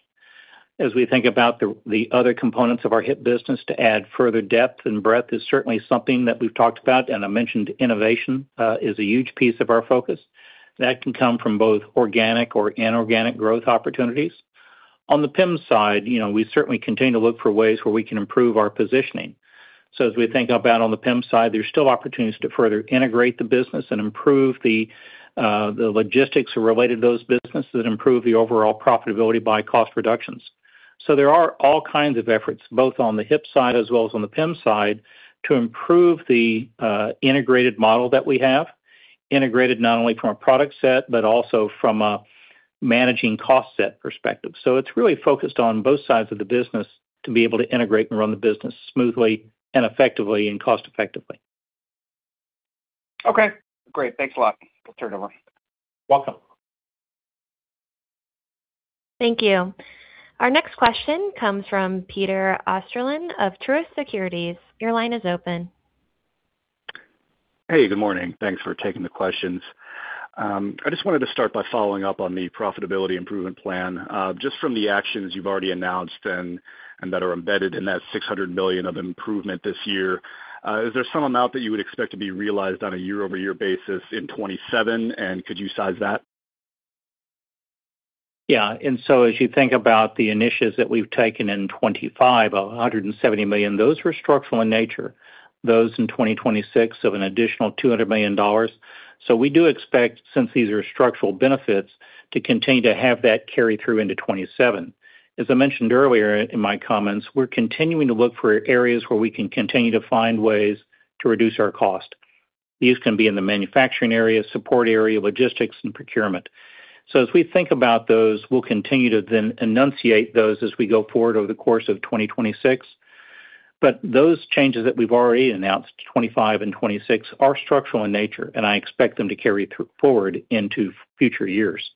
As we think about the other components of our HIP business to add further depth and breadth is certainly something that we've talked about, and I mentioned innovation is a huge piece of our focus. That can come from both organic or inorganic growth opportunities. On the PEM side, you know, we certainly continue to look for ways where we can improve our positioning. As we think about on the PEM side, there's still opportunities to further integrate the business and improve the logistics related to those businesses and improve the overall profitability by cost reductions. There are all kinds of efforts, both on the HIP side as well as on the PEM side, to improve the integrated model that we have, integrated not only from a product set, but also from a managing cost set perspective. It's really focused on both sides of the business to be able to integrate and run the business smoothly and effectively and cost effectively. Okay, great. Thanks a lot. I'll turn it over. Welcome. Thank you. Our next question comes from Peter Osterland of Truist Securities. Your line is open. Hey, good morning. Thanks for taking the questions. I just wanted to start by following up on the profitability improvement plan. Just from the actions you've already announced and that are embedded in that $600 million of improvement this year, is there some amount that you would expect to be realized on a year-over-year basis in 2027? And could you size that? As you think about the initiatives that we've taken in 2025, $170 million, those were structural in nature, those in 2026 of an additional $200 million. We do expect, since these are structural benefits, to continue to have that carry through into 2027. As I mentioned earlier in my comments, we're continuing to look for areas where we can continue to find ways to reduce our cost. These can be in the manufacturing area, support area, logistics, and procurement. As we think about those, we'll continue to then enunciate those as we go forward over the course of 2026. Those changes that we've already announced, 2025 and 2026, are structural in nature, and I expect them to carry through forward into future years.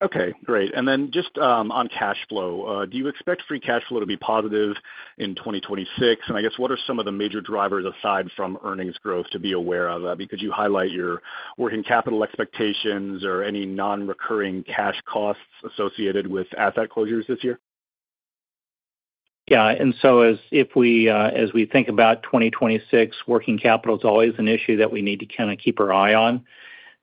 Okay, great. Just on cash flow, do you expect free cash flow to be positive in 2026? I guess, what are some of the major drivers, aside from earnings growth, to be aware of? Could you highlight your working capital expectations or any non-recurring cash costs associated with asset closures this year? Yeah, if we, as we think about 2026, working capital is always an issue that we need to kind of keep our eye on.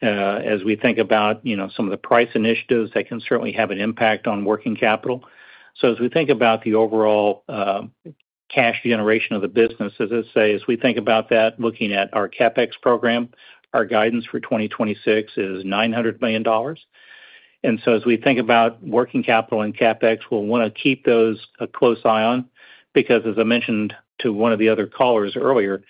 As we think about, you know, some of the price initiatives, that can certainly have an impact on working capital. As we think about the overall cash generation of the business, as I say, as we think about that, looking at our CapEx program, our guidance for 2026 is $900 million. As we think about working capital and CapEx, we'll want to keep those a close eye on, because as I mentioned to one of the other callers earlier,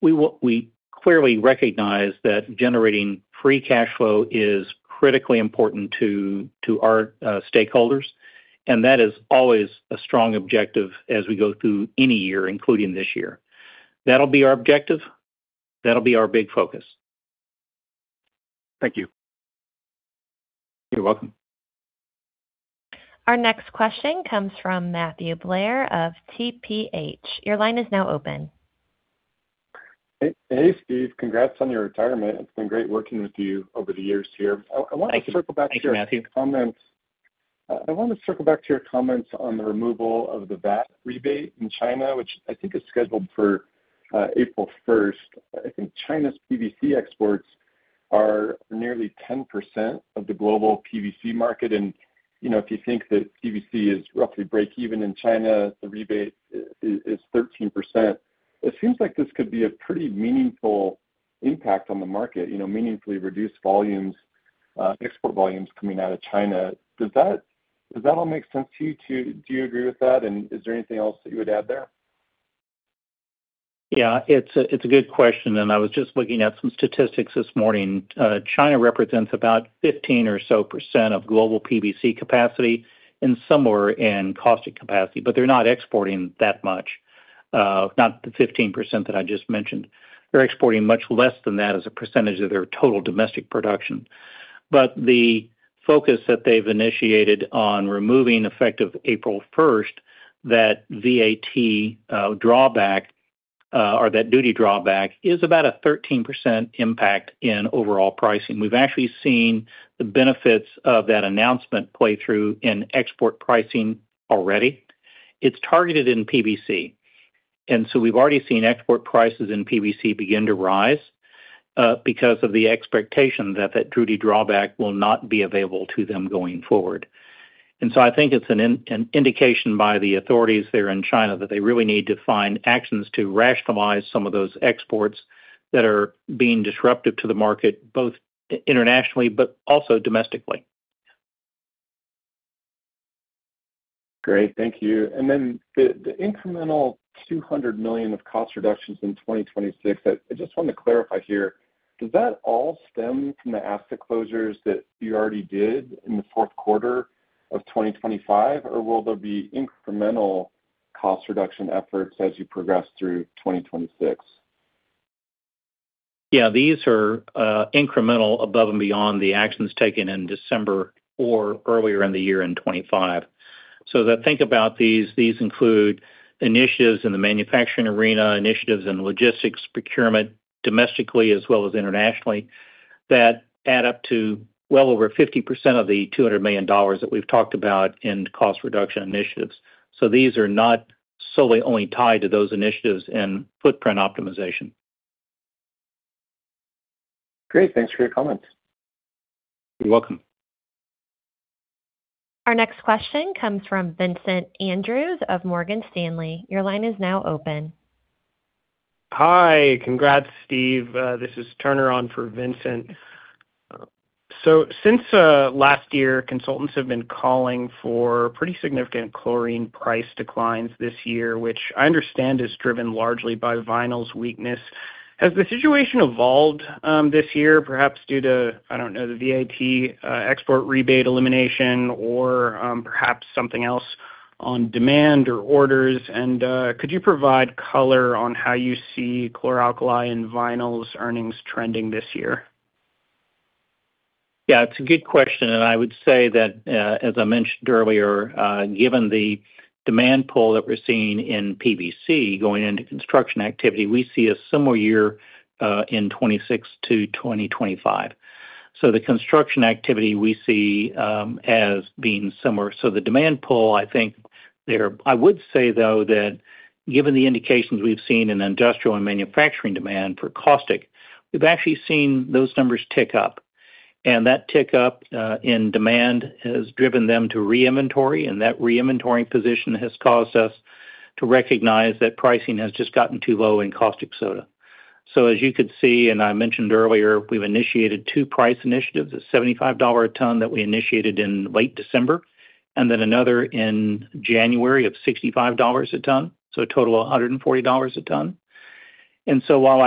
we clearly recognize that generating free cash flow is critically important to our stakeholders, and that is always a strong objective as we go through any year, including this year. That'll be our objective. That'll be our big focus. Thank you. You're welcome. Our next question comes from Matthew Blair of TPH. Your line is now open. Hey, hey, Steve. Congrats on your retirement. It's been great working with you over the years here. Thank you. Thank you, Matthew. I want to circle back to your comments on the removal of the VAT rebate in China, which I think is scheduled for April 1st. I think China's PVC exports are nearly 10% of the global PVC market, and, you know, if you think that PVC is roughly break even in China, the rebate is 13%. It seems like this could be a pretty meaningful impact on the market, you know, meaningfully reduce volumes, export volumes coming out of China. Does that all make sense to you too? Do you agree with that, and is there anything else that you would add there? It's a good question. I was just looking at some statistics this morning. China represents about 15 or so percent of global PVC capacity and similar in caustic capacity, they're not exporting that much, not the 15% that I just mentioned. They're exporting much less than that as a percentage of their total domestic production. The focus that they've initiated on removing, effective April first, that VAT drawback or that duty drawback, is about a 13% impact in overall pricing. We've actually seen the benefits of that announcement play through in export pricing already. It's targeted in PVC, we've already seen export prices in PVC begin to rise because of the expectation that that duty drawback will not be available to them going forward. I think it's an indication by the authorities there in China that they really need to find actions to rationalize some of those exports that are being disruptive to the market, both internationally, but also domestically. Great. Thank you. The incremental $200 million of cost reductions in 2026, I just want to clarify here, does that all stem from the asset closures that you already did in the fourth quarter of 2025, or will there be incremental cost reduction efforts as you progress through 2026? These are incremental above and beyond the actions taken in December or earlier in the year in 2025. As I think about these include initiatives in the manufacturing arena, initiatives in logistics, procurement, domestically as well as internationally, that add up to well over 50% of the $200 million that we've talked about in cost reduction initiatives. These are not solely only tied to those initiatives in footprint optimization. Great. Thanks for your comments. You're welcome. Our next question comes from Vincent Andrews of Morgan Stanley. Your line is now open. Hi. Congrats, Steve. This is Turner on for Vincent. Since last year, consultants have been calling for pretty significant chlorine price declines this year, which I understand is driven largely by vinyls weakness. Has the situation evolved this year, perhaps due to, I don't know, the VAT export rebate elimination or perhaps something else on demand or orders? Could you provide color on how you see chlor-alkali and vinyls earnings trending this year? Yeah, it's a good question. I would say that, as I mentioned earlier, given the demand pull that we're seeing in PVC going into construction activity, we see a similar year in 26 to 2025. The construction activity we see as being similar. The demand pull, I think there... I would say, though, that given the indications we've seen in industrial and manufacturing demand for caustic, we've actually seen those numbers tick up. That tick up in demand has driven them to re-inventory. That re-inventoring position has caused us to recognize that pricing has just gotten too low in caustic soda. As you could see, and I mentioned earlier, we've initiated two price initiatives, the $75 a ton that we initiated in late December, and then another in January of $65 a ton, a total of $140 a ton. While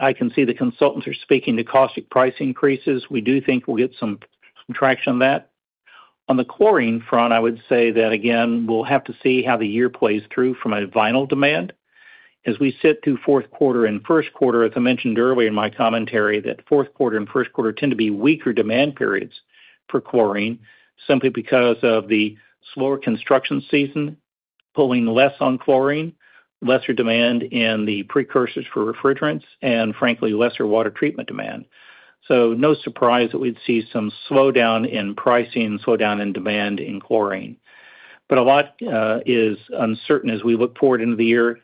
I can see the consultants are speaking to caustic price increases, we do think we'll get some traction on that. On the chlorine front, I would say that, again, we'll have to see how the year plays through from a vinyl demand. As we sit through fourth quarter and first quarter, as I mentioned earlier in my commentary, that fourth quarter and first quarter tend to be weaker demand periods for chlorine, simply because of the slower construction season, pulling less on chlorine, lesser demand in the precursors for refrigerants, and frankly, lesser water treatment demand. No surprise that we'd see some slowdown in pricing, slowdown in demand in chlorine. A lot is uncertain as we look forward into the year.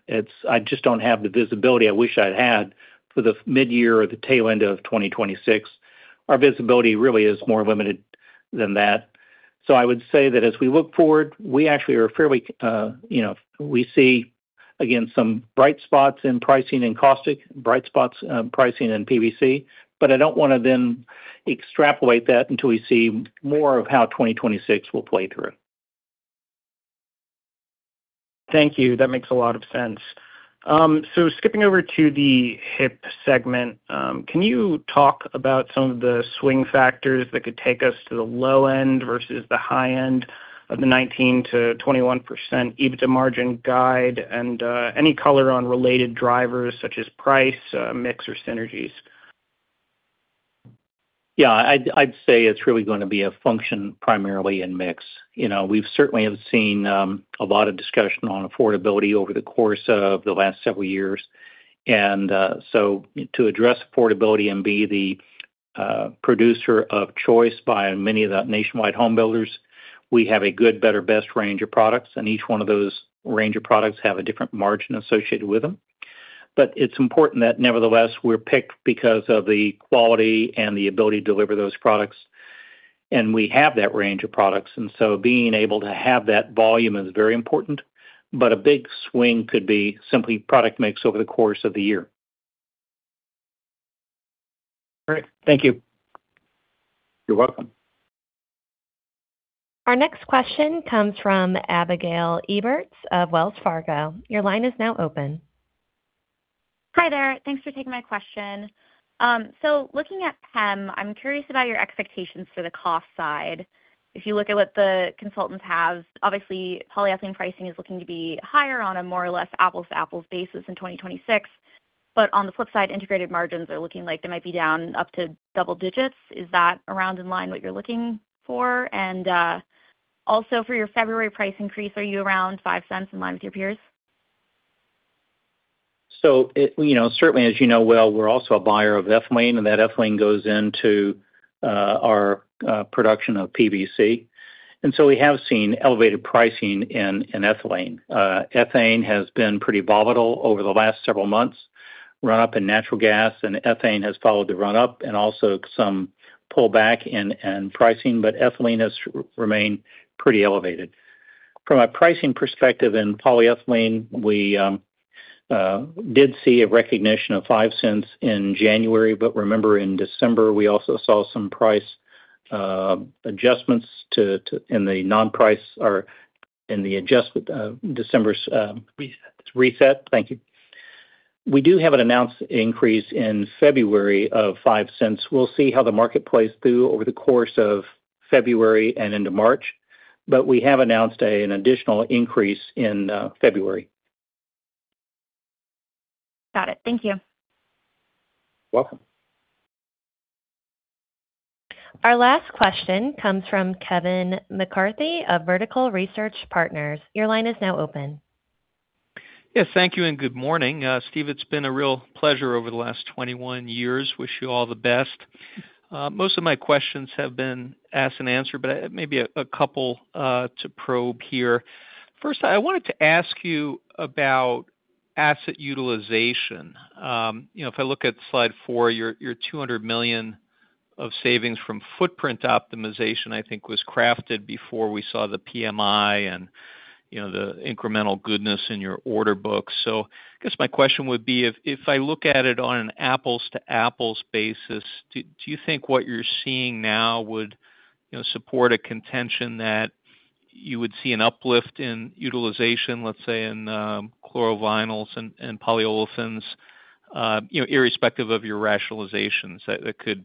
I just don't have the visibility I wish I'd had for the midyear or the tail end of 2026. Our visibility really is more limited than that. I would say that as we look forward, we actually are fairly, you know, we see, again, some bright spots in pricing in caustic, bright spots, pricing in PVC, I don't want to then extrapolate that until we see more of how 2026 will play through. Thank you. That makes a lot of sense. Skipping over to the HIP segment, can you talk about some of the swing factors that could take us to the low end versus the high end of the 19-21% EBITDA margin guide, and any color on related drivers, such as price, mix, or synergies? Yeah, I'd say it's really gonna be a function primarily in mix. You know, we've certainly have seen a lot of discussion on affordability over the course of the last several years, so to address affordability and be the producer of choice by many of the nationwide homebuilders, we have a good, better, best range of products, and each one of those range of products have a different margin associated with them. It's important that nevertheless, we're picked because of the quality and the ability to deliver those products. We have that range of products, so being able to have that volume is very important. A big swing could be simply product mix over the course of the year. Great. Thank you. You're welcome. Our next question comes from Abigail Eberts of Wells Fargo. Your line is now open. Hi there. Thanks for taking my question. Looking at PEM, I'm curious about your expectations for the cost side. If you look at what the consultants have, obviously, polyethylene pricing is looking to be higher on a more or less apples-to-apples basis in 2026. On the flip side, integrated margins are looking like they might be down up to double digits. Is that around in line what you're looking for? Also, for your February price increase, are you around $0.05 in line with your peers? It, you know, certainly, as you know well, we're also a buyer of ethylene, and that ethylene goes into our production of PVC. We have seen elevated pricing in ethylene. Ethane has been pretty volatile over the last several months. Run-up in natural gas and ethane has followed the run-up and also some pullback in pricing, but ethylene has remained pretty elevated. From a pricing perspective, in polyethylene, we did see a recognition of $0.05 in January. Remember, in December, we also saw some price adjustments to in the non-price or in the December's. Reset. Reset. Thank you. We do have an announced increase in February of $0.05. We'll see how the market plays through over the course of February and into March. We have announced an additional increase in February. Got it. Thank you. Welcome. Our last question comes from Kevin McCarthy of Vertical Research Partners. Your line is now open. Yes, thank you, good morning. Steve, it's been a real pleasure over the last 21 years. Wish you all the best. Most of my questions have been asked and answered. Maybe a couple to probe here. First, I wanted to ask you about asset utilization. You know, if I look at slide four, your $200 million of savings from footprint optimization, I think, was crafted before we saw the PMI and, you know, the incremental goodness in your order book. I guess my question would be: If I look at it on an apples-to-apples basis, do you think what you're seeing now would, you know, support a contention that you would see an uplift in utilization, let's say, in chlorovinyls and polyolefins, you know, irrespective of your rationalizations, that could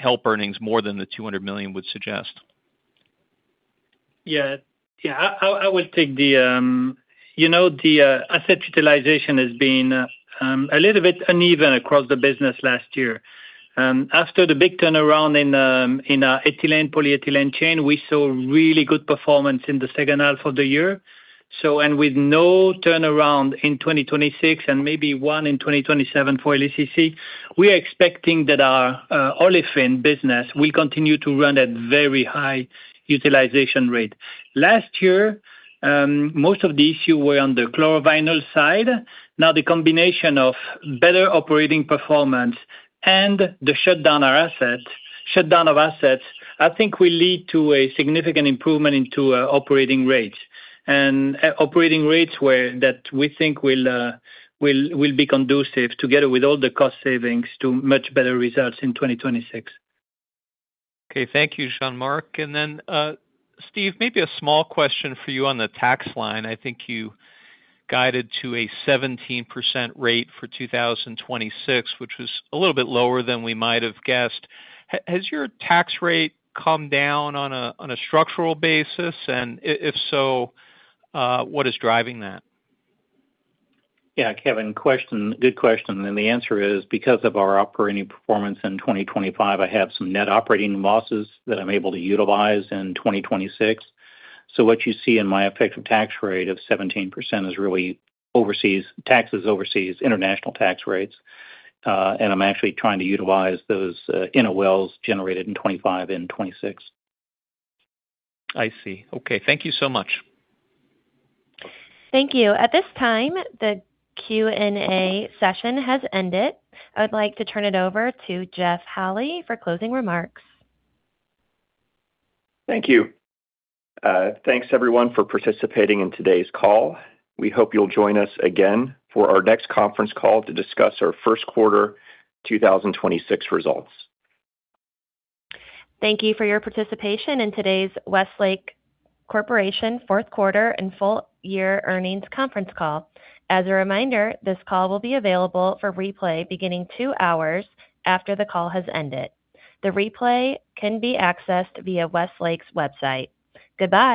help earnings more than the $200 million would suggest? Yeah. I will take the. You know, the asset utilization has been a little bit uneven across the business last year. After the big turnaround in ethylene, polyethylene chain, we saw really good performance in the second half of the year. With no turnaround in 2026 and maybe one in 2027 for LACC, we are expecting that our olefin business will continue to run at very high utilization rate. Last year, most of the issue were on the chlorovinyl side. The combination of better operating performance and the shutdown of assets, I think will lead to a significant improvement into operating rates, and operating rates where, that we think will be conducive, together with all the cost savings, to much better results in 2026. Okay. Thank you, Jean-Marc. Steve Bender, maybe a small question for you on the tax line. I think you guided to a 17% rate for 2026, which was a little bit lower than we might have guessed. Has your tax rate come down on a structural basis? If so, what is driving that? Kevin, question, good question. The answer is because of our operating performance in 2025, I have some net operating losses that I'm able to utilize in 2026. What you see in my effective tax rate of 17% is really overseas, taxes overseas, international tax rates, and I'm actually trying to utilize those in a wells generated in 2025 and 2026. I see. Okay, thank you so much. Thank you. At this time, the Q&A session has ended. I would like to turn it over to Jeff Hawley for closing remarks. Thank you. Thanks, everyone, for participating in today's call. We hope you'll join us again for our next conference call to discuss our first quarter 2026 results. Thank you for your participation in today's Westlake Corporation fourth quarter and full year earnings conference call. As a reminder, this call will be available for replay beginning 2 hours after the call has ended. The replay can be accessed via Westlake's website. Goodbye.